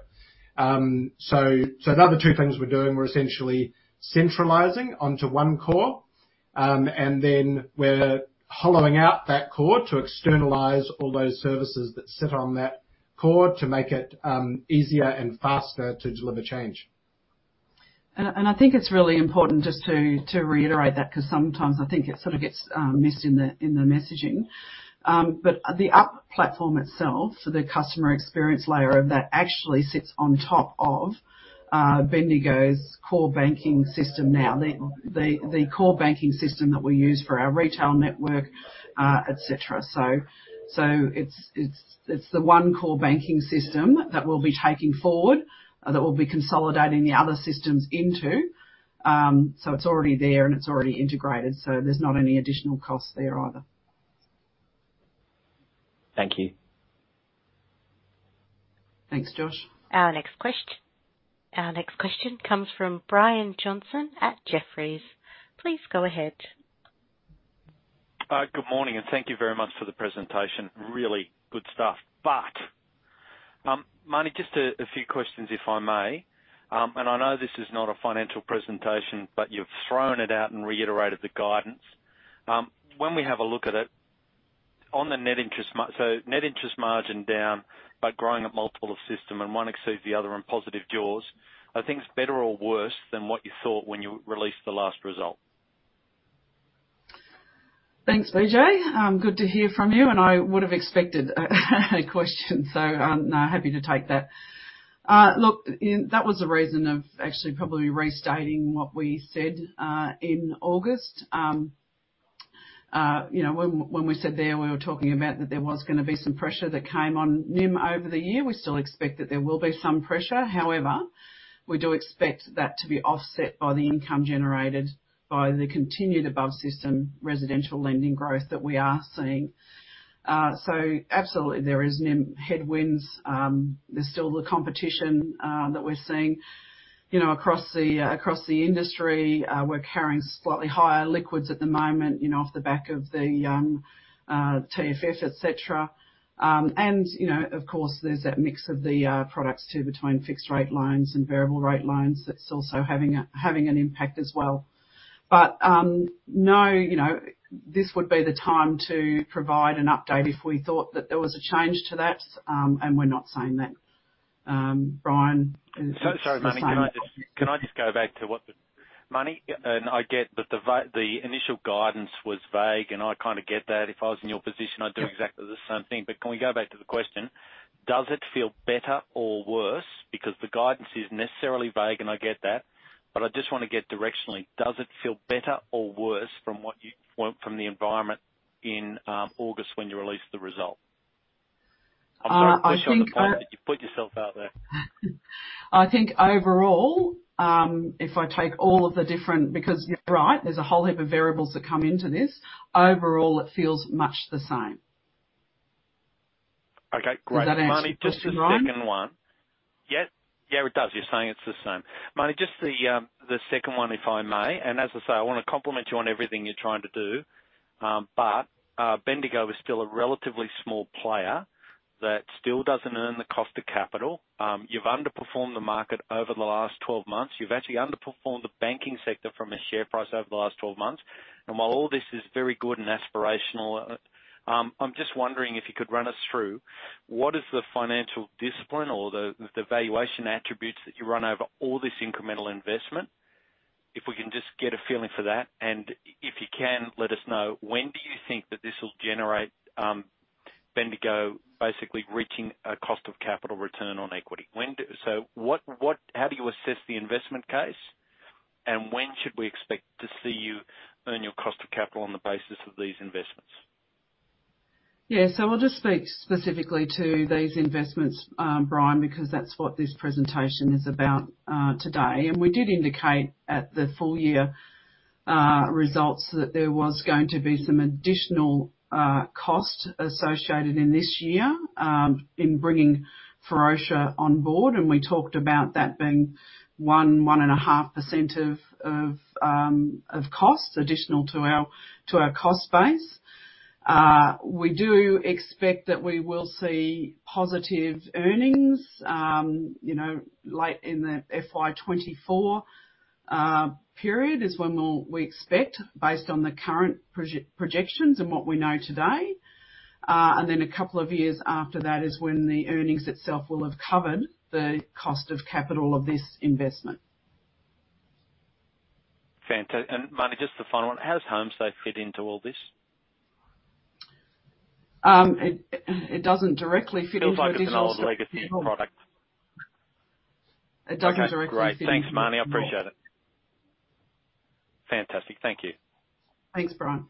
Another two things we're doing, we're essentially centralizing onto one core, and then we're hollowing out that core to externalize all those services that sit on that core to make it easier and faster to deliver change. I think it's really important just to reiterate that, 'cause sometimes I think it sort of gets missed in the messaging. But the Up platform itself, so the customer experience layer of that actually sits on top of Bendigo's core banking system now. The core banking system that we use for our retail network, et cetera. It's the one core banking system that we'll be taking forward, that we'll be consolidating the other systems into. It's already there and it's already integrated, so there's not any additional cost there either. Thank you. Thanks, Josh. Our next question comes from Brian Johnson at Jefferies. Please go ahead. Good morning, and thank you very much for the presentation. Really good stuff. Marnie, just a few questions if I may. I know this is not a financial presentation, but you've thrown it out and reiterated the guidance. When we have a look at it, on the net interest margin down, but growing a multiple of system, and one exceeds the other on positive jaws. Are things better or worse than what you thought when you released the last result? Thanks, BJ. Good to hear from you, and I would have expected a question, so happy to take that. Look, that was the reason of actually probably restating what we said in August. You know, when we said there we were talking about that there was gonna be some pressure that came on NIM over the year. We still expect that there will be some pressure. However, we do expect that to be offset by the income generated by the continued above-system residential lending growth that we are seeing. Absolutely there is NIM headwinds. There's still the competition that we're seeing, you know, across the industry. We're carrying slightly higher liquids at the moment, you know, off the back of the TFF, et cetera. Of course, there's that mix of the products too, between fixed rate loans and variable rate loans that's also having an impact as well. No, you know, this would be the time to provide an update if we thought that there was a change to that, and we're not saying that. Brian-. Sorry, Marnie. Can I just go back to Marnie, and I get that the initial guidance was vague, and I kinda get that. If I was in your position, I'd do exactly the same thing. Can we go back to the question? Does it feel better or worse? Because the guidance is necessarily vague, and I get that, but I just wanna get directionally, does it feel better or worse from the environment in August when you released the result? I think. I'm sorry to push you on that, but you put yourself out there. I think overall, if I take all the different- Because you're right, there's a whole heap of variables that come into this. Overall it feels much the same. Okay, great. Does that answer your question, Brian? Marnie, just the second one. Yeah. Yeah, it does. You're saying it's the same. Marnie, just the second one, if I may, and as I say, I want to compliment you on everything you're trying to do. But Bendigo is still a relatively small player that still doesn't earn the cost of capital. You've underperformed the market over the last 12 months. You've actually underperformed the banking sector from a share price over the last 12 months. While all this is very good and aspirational, I'm just wondering if you could run us through what is the financial discipline or the valuation attributes that you run over all this incremental investment? If we can just get a feeling for that, and if you can, let us know when do you think that this will generate Bendigo basically reaching a cost of capital return on equity? What, how do you assess the investment case? When should we expect to see you earn your cost of capital on the basis of these investments? I'll just speak specifically to these investments, Brian, because that's what this presentation is about, today. We did indicate at the full-year results that there was going to be some additional cost associated in this year in bringing Ferocia on board, and we talked about that being 1.5% of costs additional to our cost base. We do expect that we will see positive earnings late in the FY 2024 period when we expect based on the current projections and what we know today. Then a couple of years after that is when the earnings itself will have covered the cost of capital of this investment. Marnie, just a final one. How does Homesafe fit into all this? It doesn't directly fit into it. Feels like it's an old legacy product. It doesn't directly fit into it. Okay. Great. Thanks, Marnie. I appreciate it. Fantastic. Thank you. Thanks, Brian.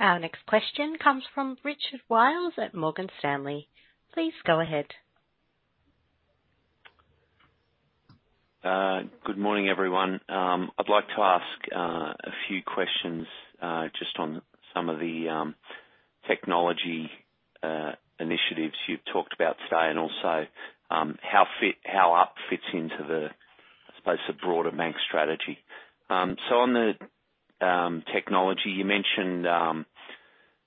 Our next question comes from Richard Wiles at Morgan Stanley. Please go ahead. Good morning, everyone. I'd like to ask a few questions just on some of the technology initiatives you've talked about today and also how Up fits into the, I suppose, the broader bank strategy. On the technology, you mentioned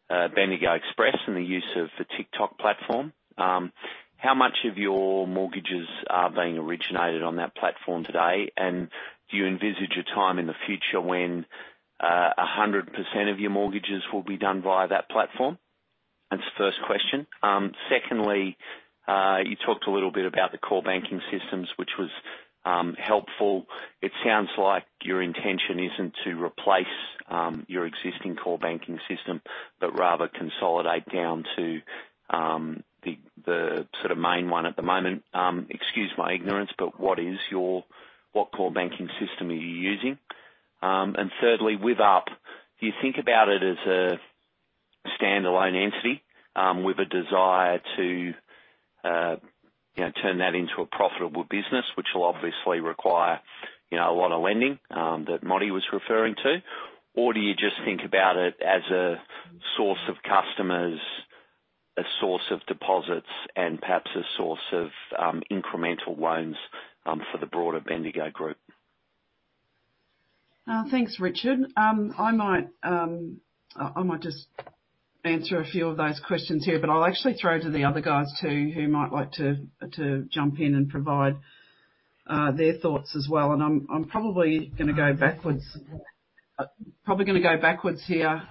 Bendigo Express and the use of the Tic:Toc platform. How much of your mortgages are being originated on that platform today? And do you envisage a time in the future when 100% of your mortgages will be done via that platform? That's the first question. Secondly, you talked a little bit about the core banking systems, which was helpful. It sounds like your intention isn't to replace your existing core banking system, but rather consolidate down to the sort of main one at the moment. Excuse my ignorance, but what core banking system are you using? And thirdly, with Up, do you think about it as a standalone entity, with a desire to, you know, turn that into a profitable business which will obviously require, you know, a lot of lending, that Marty was referring to? Or do you just think about it as a source of customers, a source of deposits, and perhaps a source of, incremental loans, for the broader Bendigo group? Thanks, Richard. I might just answer a few of those questions here, but I'll actually throw to the other guys too, who might like to jump in and provide their thoughts as well. I'm probably gonna go backwards here,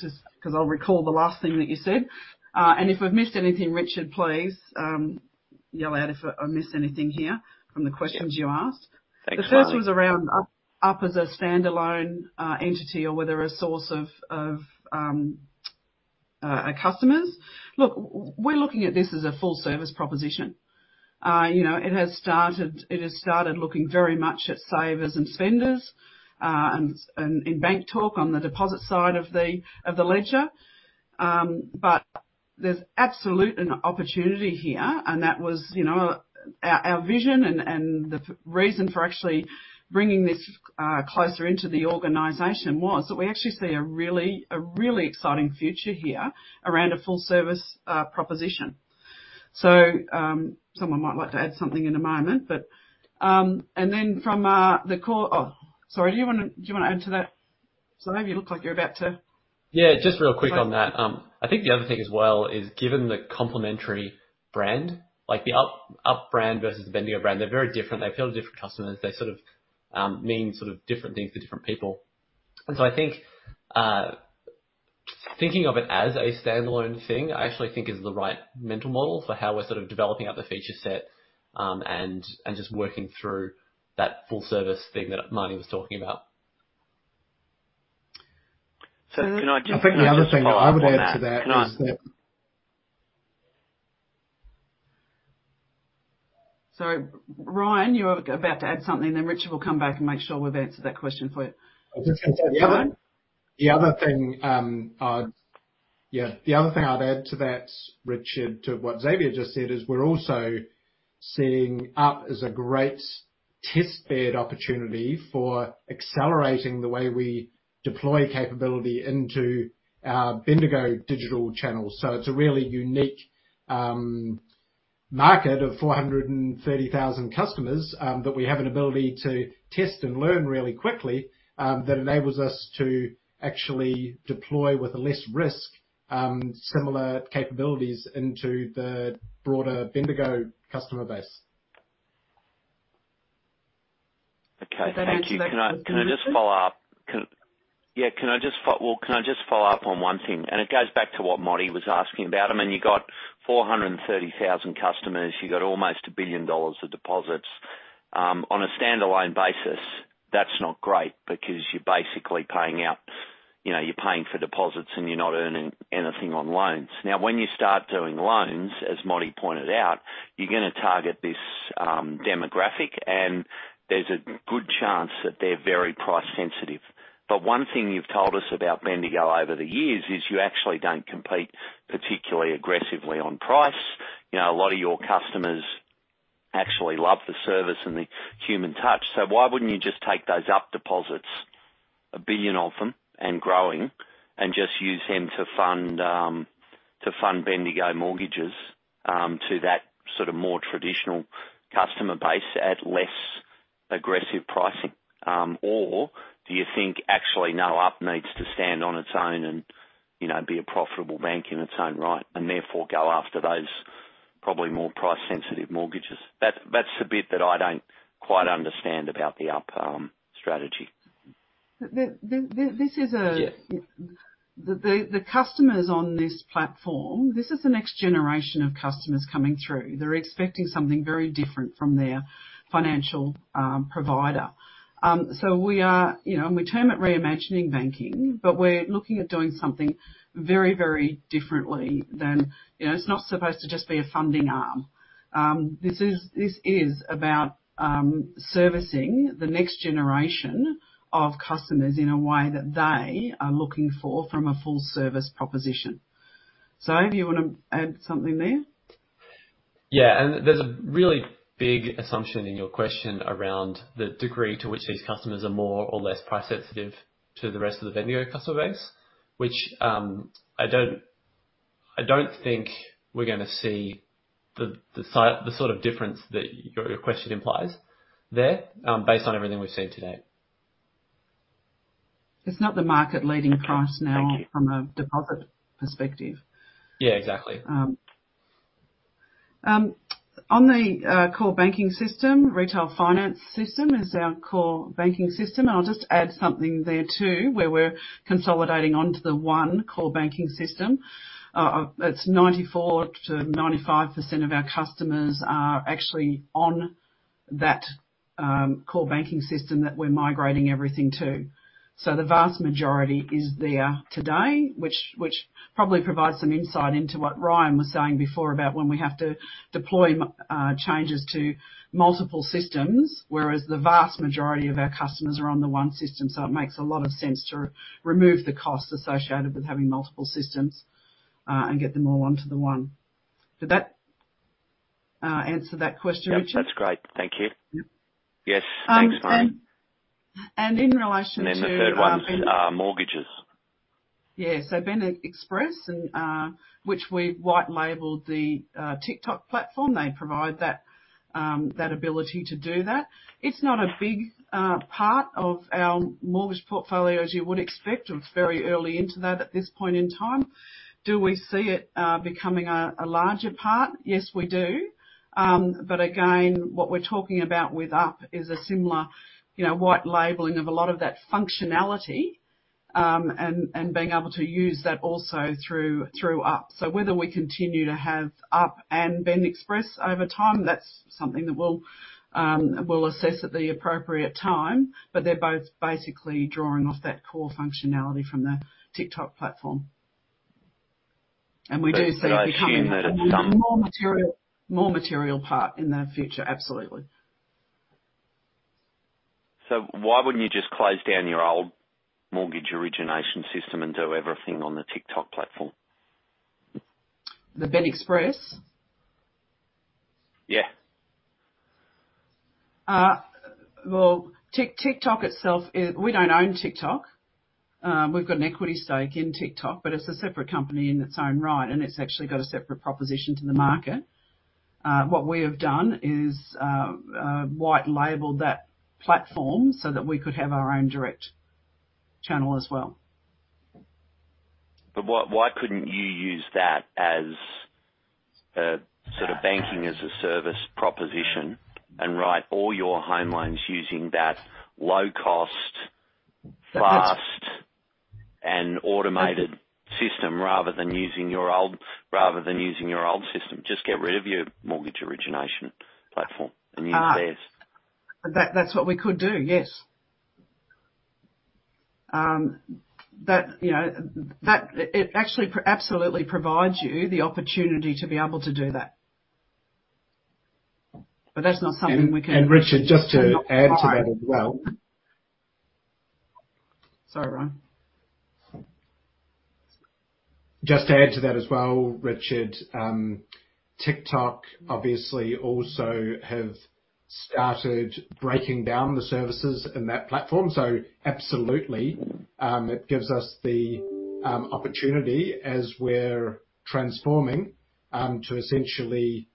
just 'cause I'll recall the last thing that you said. If I've missed anything, Richard, please yell out if I miss anything here from the questions you asked. Thanks, Marnie. The first was around Up as a standalone entity or whether a source of customers. Look, we're looking at this as a full service proposition. You know, it has started looking very much at savers and spenders, and in bank talk on the deposit side of the ledger. But there's absolutely an opportunity here, and that was you know, our vision and the reason for actually bringing this closer into the organization was that we actually see a really exciting future here around a full service proposition. Someone might like to add something in a moment, but and then from the core. Oh, sorry, do you wanna answer that, Xavier? You look like you're about to. Yeah, just real quick on that. I think the other thing as well is given the complementary brand, like the Up brand versus the Bendigo brand, they're very different. They appeal to different customers. They sort of mean sort of different things to different people. I think thinking of it as a standalone thing, I actually think is the right mental model for how we're sort of developing out the feature set, and just working through that full service thing that Marnie was talking about. Can I just. I think the other thing that I would add to that is that. Ryan, you were about to add something, then Richard, we'll come back and make sure we've answered that question for you. The other thing I'd add to that, Richard, to what Xavier just said, is we're also seeing Up as a great test bed opportunity for accelerating the way we deploy capability into our Bendigo digital channels. It's a really unique market of 430,000 customers that we have an ability to test and learn really quickly that enables us to actually deploy with less risk similar capabilities into the broader Bendigo customer base. Okay Thank you. Does that answer that question, Richard? Can I just follow up on one thing? It goes back to what Marty was asking about. I mean, you got 430,000 customers. You got almost 1 billion dollars of deposits. On a standalone basis, that's not great because you're basically paying for deposits. You know, you're not earning anything on loans. Now, when you start doing loans, as Marty pointed out, you're gonna target this demographic, and there's a good chance that they're very price-sensitive. One thing you've told us about Bendigo over the years is you actually don't compete particularly aggressively on price. You know, a lot of your customers actually love the service and the human touch. Why wouldn't you just take those Up deposits, 1 billion of them and growing, and just use them to fund to fund Bendigo mortgages to that sort of more traditional customer base at less aggressive pricing? Or do you think actually now Up needs to stand on its own and, you know, be a profitable bank in its own right and therefore go after those probably more price-sensitive mortgages? That's the bit that I don't quite understand about the Up strategy. This is a- Yeah. The customers on this platform, this is the next generation of customers coming through. They're expecting something very different from their financial provider. You know, and we term it reimagining banking, but we're looking at doing something very, very differently. You know, it's not supposed to just be a funding arm. This is about servicing the next generation of customers in a way that they are looking for from a full service proposition. Do you wanna add something there? Yeah. There's a really big assumption in your question around the degree to which these customers are more or less price-sensitive to the rest of the Bendigo customer base, which, I don't think we're gonna see the sort of difference that your question implies there, based on everything we've seen today. It's not the market-leading price now. Thank you. From a deposit perspective. Yeah, exactly. On the core banking system, retail finance system is our core banking system. I'll just add something there too, where we're consolidating onto the one core banking system. It's 94%-95% of our customers are actually on that core banking system that we're migrating everything to. So the vast majority is there today, which probably provides some insight into what Ryan was saying before about when we have to deploy changes to multiple systems, whereas the vast majority of our customers are on the one system. So it makes a lot of sense to remove the costs associated with having multiple systems and get them all onto the one. Did that answer that question Richard? Yep, that's great. Thank you. Uh- Yes. Thanks, Marnie. In relation to. The third one is mortgages. Yeah. BEN Express, which we've white labeled the Tic:Toc platform. They provide that ability to do that. It's not a big part of our mortgage portfolio, as you would expect. It's very early into that at this point in time. Do we see it becoming a larger part? Yes, we do. But again, what we're talking about with Up is a similar, you know, white labeling of a lot of that functionality and being able to use that also through Up. Whether we continue to have Up and BEN Express over time, that's something that we'll assess at the appropriate time, but they're both basically drawing off that core functionality from the Tic:Toc platform. We do see it becoming. I assume that at some. A more material part in the future. Absolutely. Why wouldn't you just close down your old mortgage origination system and do everything on the Tic:Toc platform? The BEN Express? Yeah. Well, we don't own Tic:Toc. We've got an equity stake in Tic:Toc, but it's a separate company in its own right, and it's actually got a separate proposition to the market. What we have done is white-labeled that platform so that we could have our own direct channel as well. Why couldn't you use that as a sort of banking-as-a-service proposition and write all your home loans using that low cost, fast-. But that's- An automated system rather than using your old system? Just get rid of your mortgage origination platform and use theirs. That's what we could do, yes. You know, that it actually absolutely provides you the opportunity to be able to do that. That's not something we can-. Richard, just to add to that as well. Sorry, Ryan. Just to add to that as well, Richard, Tic:Toc obviously also have started breaking down the services in that platform. Absolutely, it gives us the opportunity as we're transforming to essentially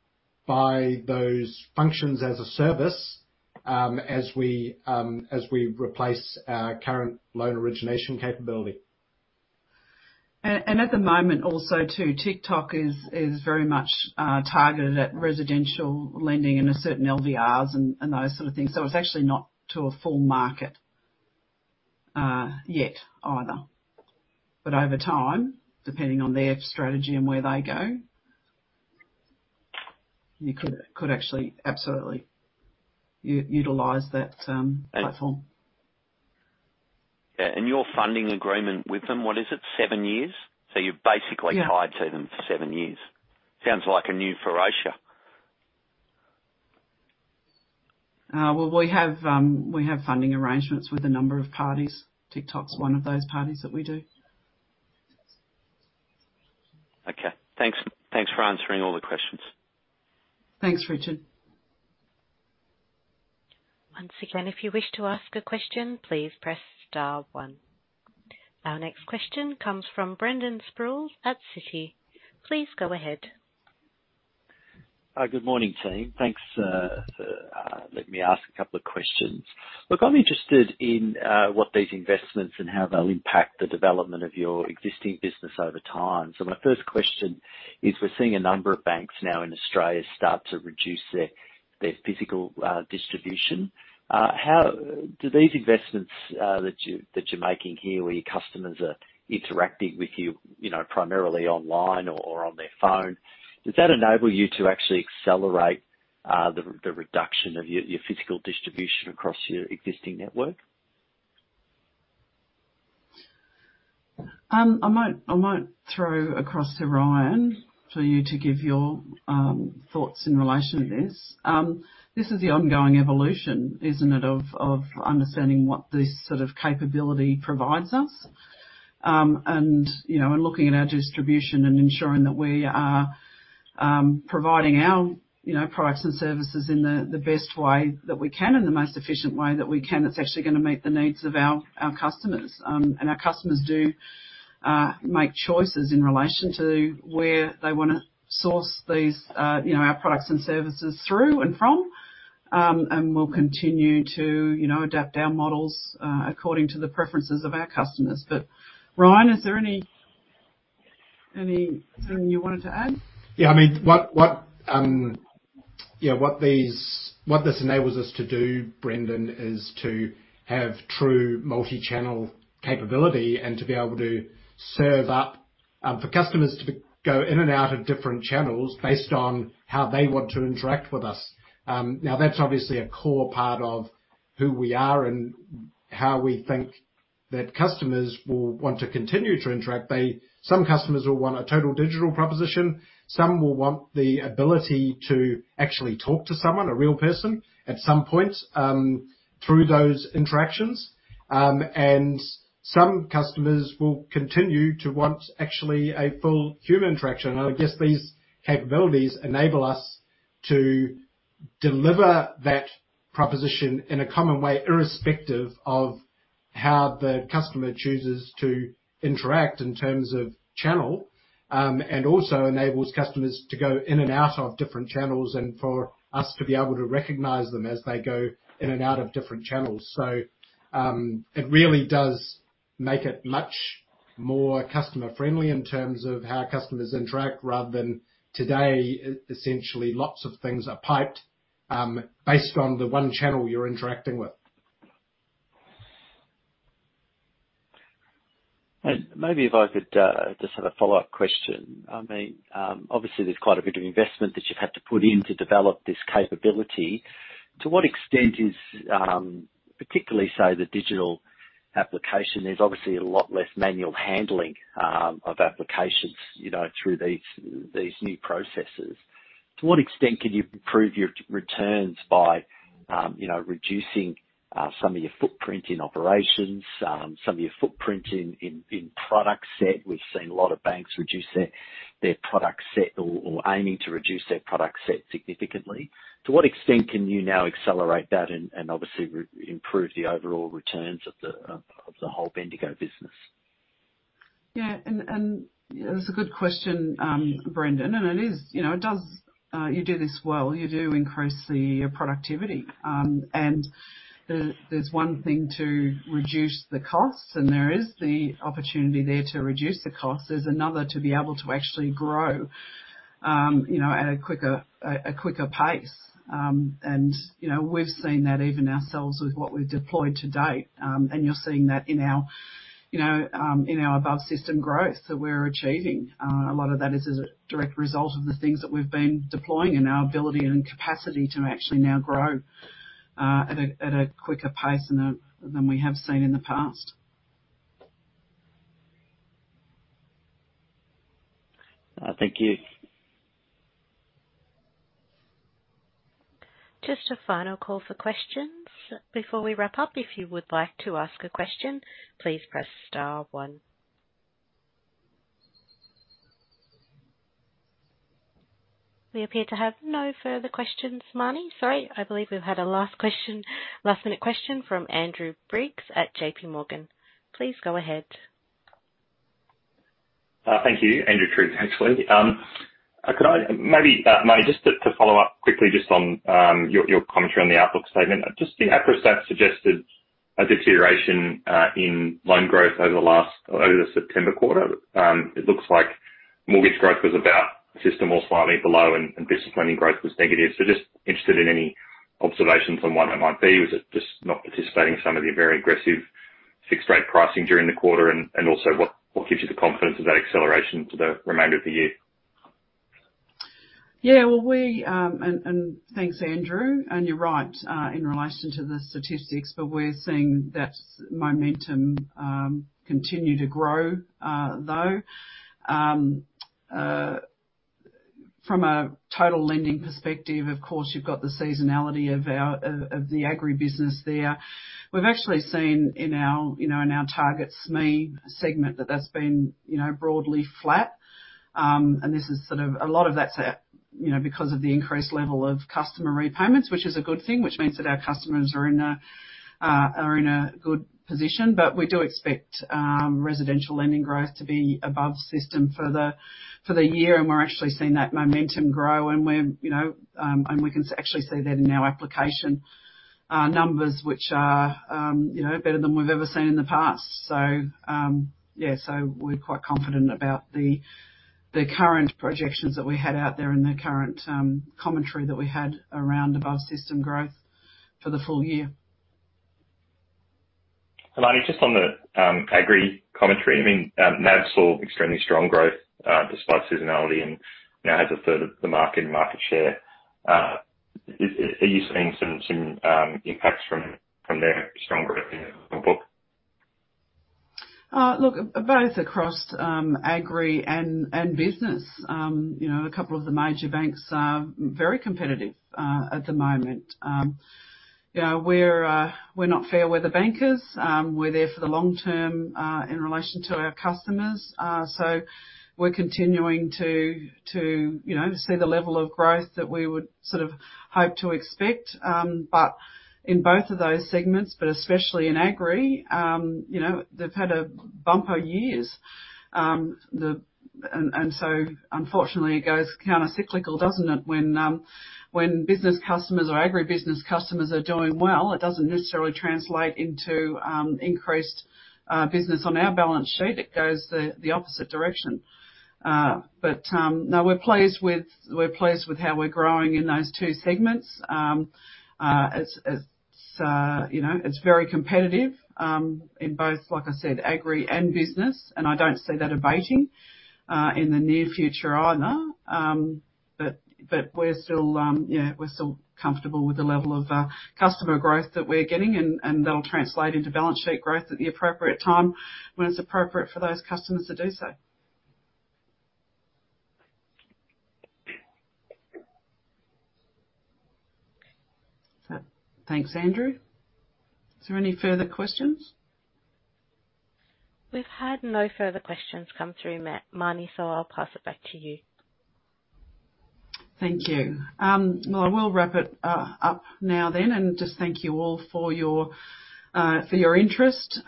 buy those functions as a service, as we replace our current loan origination capability. At the moment also too, Tic:Toc is very much targeted at residential lending and a certain LVRs and those sort of things. It's actually not to a full market yet either. Over time, depending on their strategy and where they go, you could actually absolutely utilize that platform. Yeah. In your funding agreement with them, what is it? Seven years? You're basically- Yeah. Tied to them for seven years. Sounds like a new Ferocia. We have funding arrangements with a number of parties. Tic:Toc's one of those parties that we do. Okay. Thanks, thanks for answering all the questions. Thanks, Richard. Our next question comes from Brendan Sproules at Citi. Please go ahead. Good morning, team. Thanks for letting me ask a couple of questions. Look, I'm interested in what these investments and how they'll impact the development of your existing business over time. My first question is: we're seeing a number of banks now in Australia start to reduce their physical distribution. Do these investments that you're making here, where your customers are interacting with you know, primarily online or on their phone, enable you to actually accelerate the reduction of your physical distribution across your existing network? I might throw across to Ryan for you to give your thoughts in relation to this. This is the ongoing evolution, isn't it, of understanding what this sort of capability provides us. Looking at our distribution and ensuring that we are providing our products and services in the best way that we can, in the most efficient way that we can, that's actually gonna meet the needs of our customers. Our customers do make choices in relation to where they wanna source these you know our products and services through and from. We'll continue to adapt our models according to the preferences of our customers. Ryan, is there anything you wanted to add? I mean, what this enables us to do, Brendan, is to have true multi-channel capability and to be able to serve up for customers to go in and out of different channels based on how they want to interact with us. Now that's obviously a core part of who we are and how we think that customers will want to continue to interact. Some customers will want a total digital proposition, some will want the ability to actually talk to someone, a real person, at some point through those interactions, and some customers will continue to want actually a full human interaction. I guess these capabilities enable us to deliver that proposition in a common way, irrespective of how the customer chooses to interact in terms of channel, and also enables customers to go in and out of different channels and for us to be able to recognize them as they go in and out of different channels. It really does make it much more customer-friendly in terms of how customers interact rather than today, essentially lots of things are piped, based on the one channel you're interacting with. Maybe if I could just have a follow-up question. I mean, obviously there's quite a bit of investment that you've had to put in to develop this capability. To what extent is, particularly, say, the digital application, there's obviously a lot less manual handling of applications, you know, through these new processes. To what extent can you improve your returns by, you know, reducing some of your footprint in operations, some of your footprint in product set? We've seen a lot of banks reduce their product set or aiming to reduce their product set significantly. To what extent can you now accelerate that and obviously improve the overall returns of the whole Bendigo business? That's a good question, Brendan. You know, it does. You do this well, you do increase the productivity. There's one thing to reduce the costs, and there is the opportunity there to reduce the costs. There's another to be able to actually grow, you know, at a quicker pace. You know, we've seen that even ourselves with what we've deployed to date. You're seeing that in our, you know, in our above-system growth that we're achieving. A lot of that is as a direct result of the things that we've been deploying and our ability and capacity to actually now grow at a quicker pace than we have seen in the past. Thank you. Just a final call for questions before we wrap up. If you would like to ask a question, please press star one. We appear to have no further questions, Marnie. Sorry, I believe we've had a last question, last minute question from Andrew Triggs at JPMorgan. Please go ahead. Thank you. Andrew Triggs, actually. Could I maybe, Marnie, just to follow up quickly just on your commentary on the outlook statement. Just the APRA stat suggested a deterioration in loan growth over the September quarter. It looks like mortgage growth was about system or slightly below and business lending growth was negative. Just interested in any observations on what that might be. Was it just not participating in some of the very aggressive fixed rate pricing during the quarter, and also what gives you the confidence of that acceleration to the remainder of the year? Thanks, Andrew. You're right in relation to the statistics, but we're seeing that momentum continue to grow, though. From a total lending perspective, of course, you've got the seasonality of our agribusiness there. We've actually seen in our, you know, in our target SME segment that that's been, you know, broadly flat. This is sort of a lot of that's at, you know, because of the increased level of customer repayments, which is a good thing, which means that our customers are in a good position. We do expect residential lending growth to be above system for the year, and we're actually seeing that momentum grow. We can actually see that in our application numbers which are better than we've ever seen in the past. We're quite confident about the current projections that we had out there and the current commentary that we had around above-system growth for the full year. Marnie, just on the agri commentary. I mean, NAB saw extremely strong growth despite seasonality and now has 1/3 of the market and market share. Are you seeing some impacts from their strong growth on book? Look, both across agri and business, you know, a couple of the major banks are very competitive at the moment. You know, we're not fair weather bankers. We're there for the long term in relation to our customers. We're continuing to, you know, see the level of growth that we would sort of hope to expect. In both of those segments, especially in agri, you know, they've had a bumper years. Unfortunately it goes counter cyclical, doesn't it? When business customers or agri-business customers are doing well, it doesn't necessarily translate into increased business on our balance sheet. It goes the opposite direction. No, we're pleased with how we're growing in those two segments. It's very competitive, you know, in both, like I said, agri and business. I don't see that abating in the near future either. We're still comfortable with the level of customer growth that we're getting and that'll translate into balance sheet growth at the appropriate time when it's appropriate for those customers to do so. Thanks, Andrew. Is there any further questions? We've had no further questions come through Marnie, so I'll pass it back to you. Thank you. Well, I will wrap it up now then and just thank you all for your for your interest.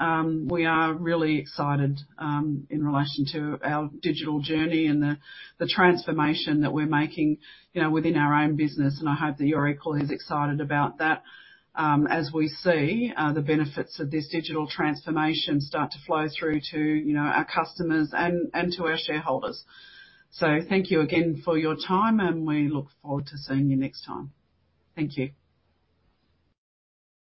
We are really excited in relation to our digital journey and the transformation that we're making, you know, within our own business. I hope that you're equally as excited about that as we see the benefits of this digital transformation start to flow through to, you know, our customers and to our shareholders. Thank you again for your time, and we look forward to seeing you next time. Thank you.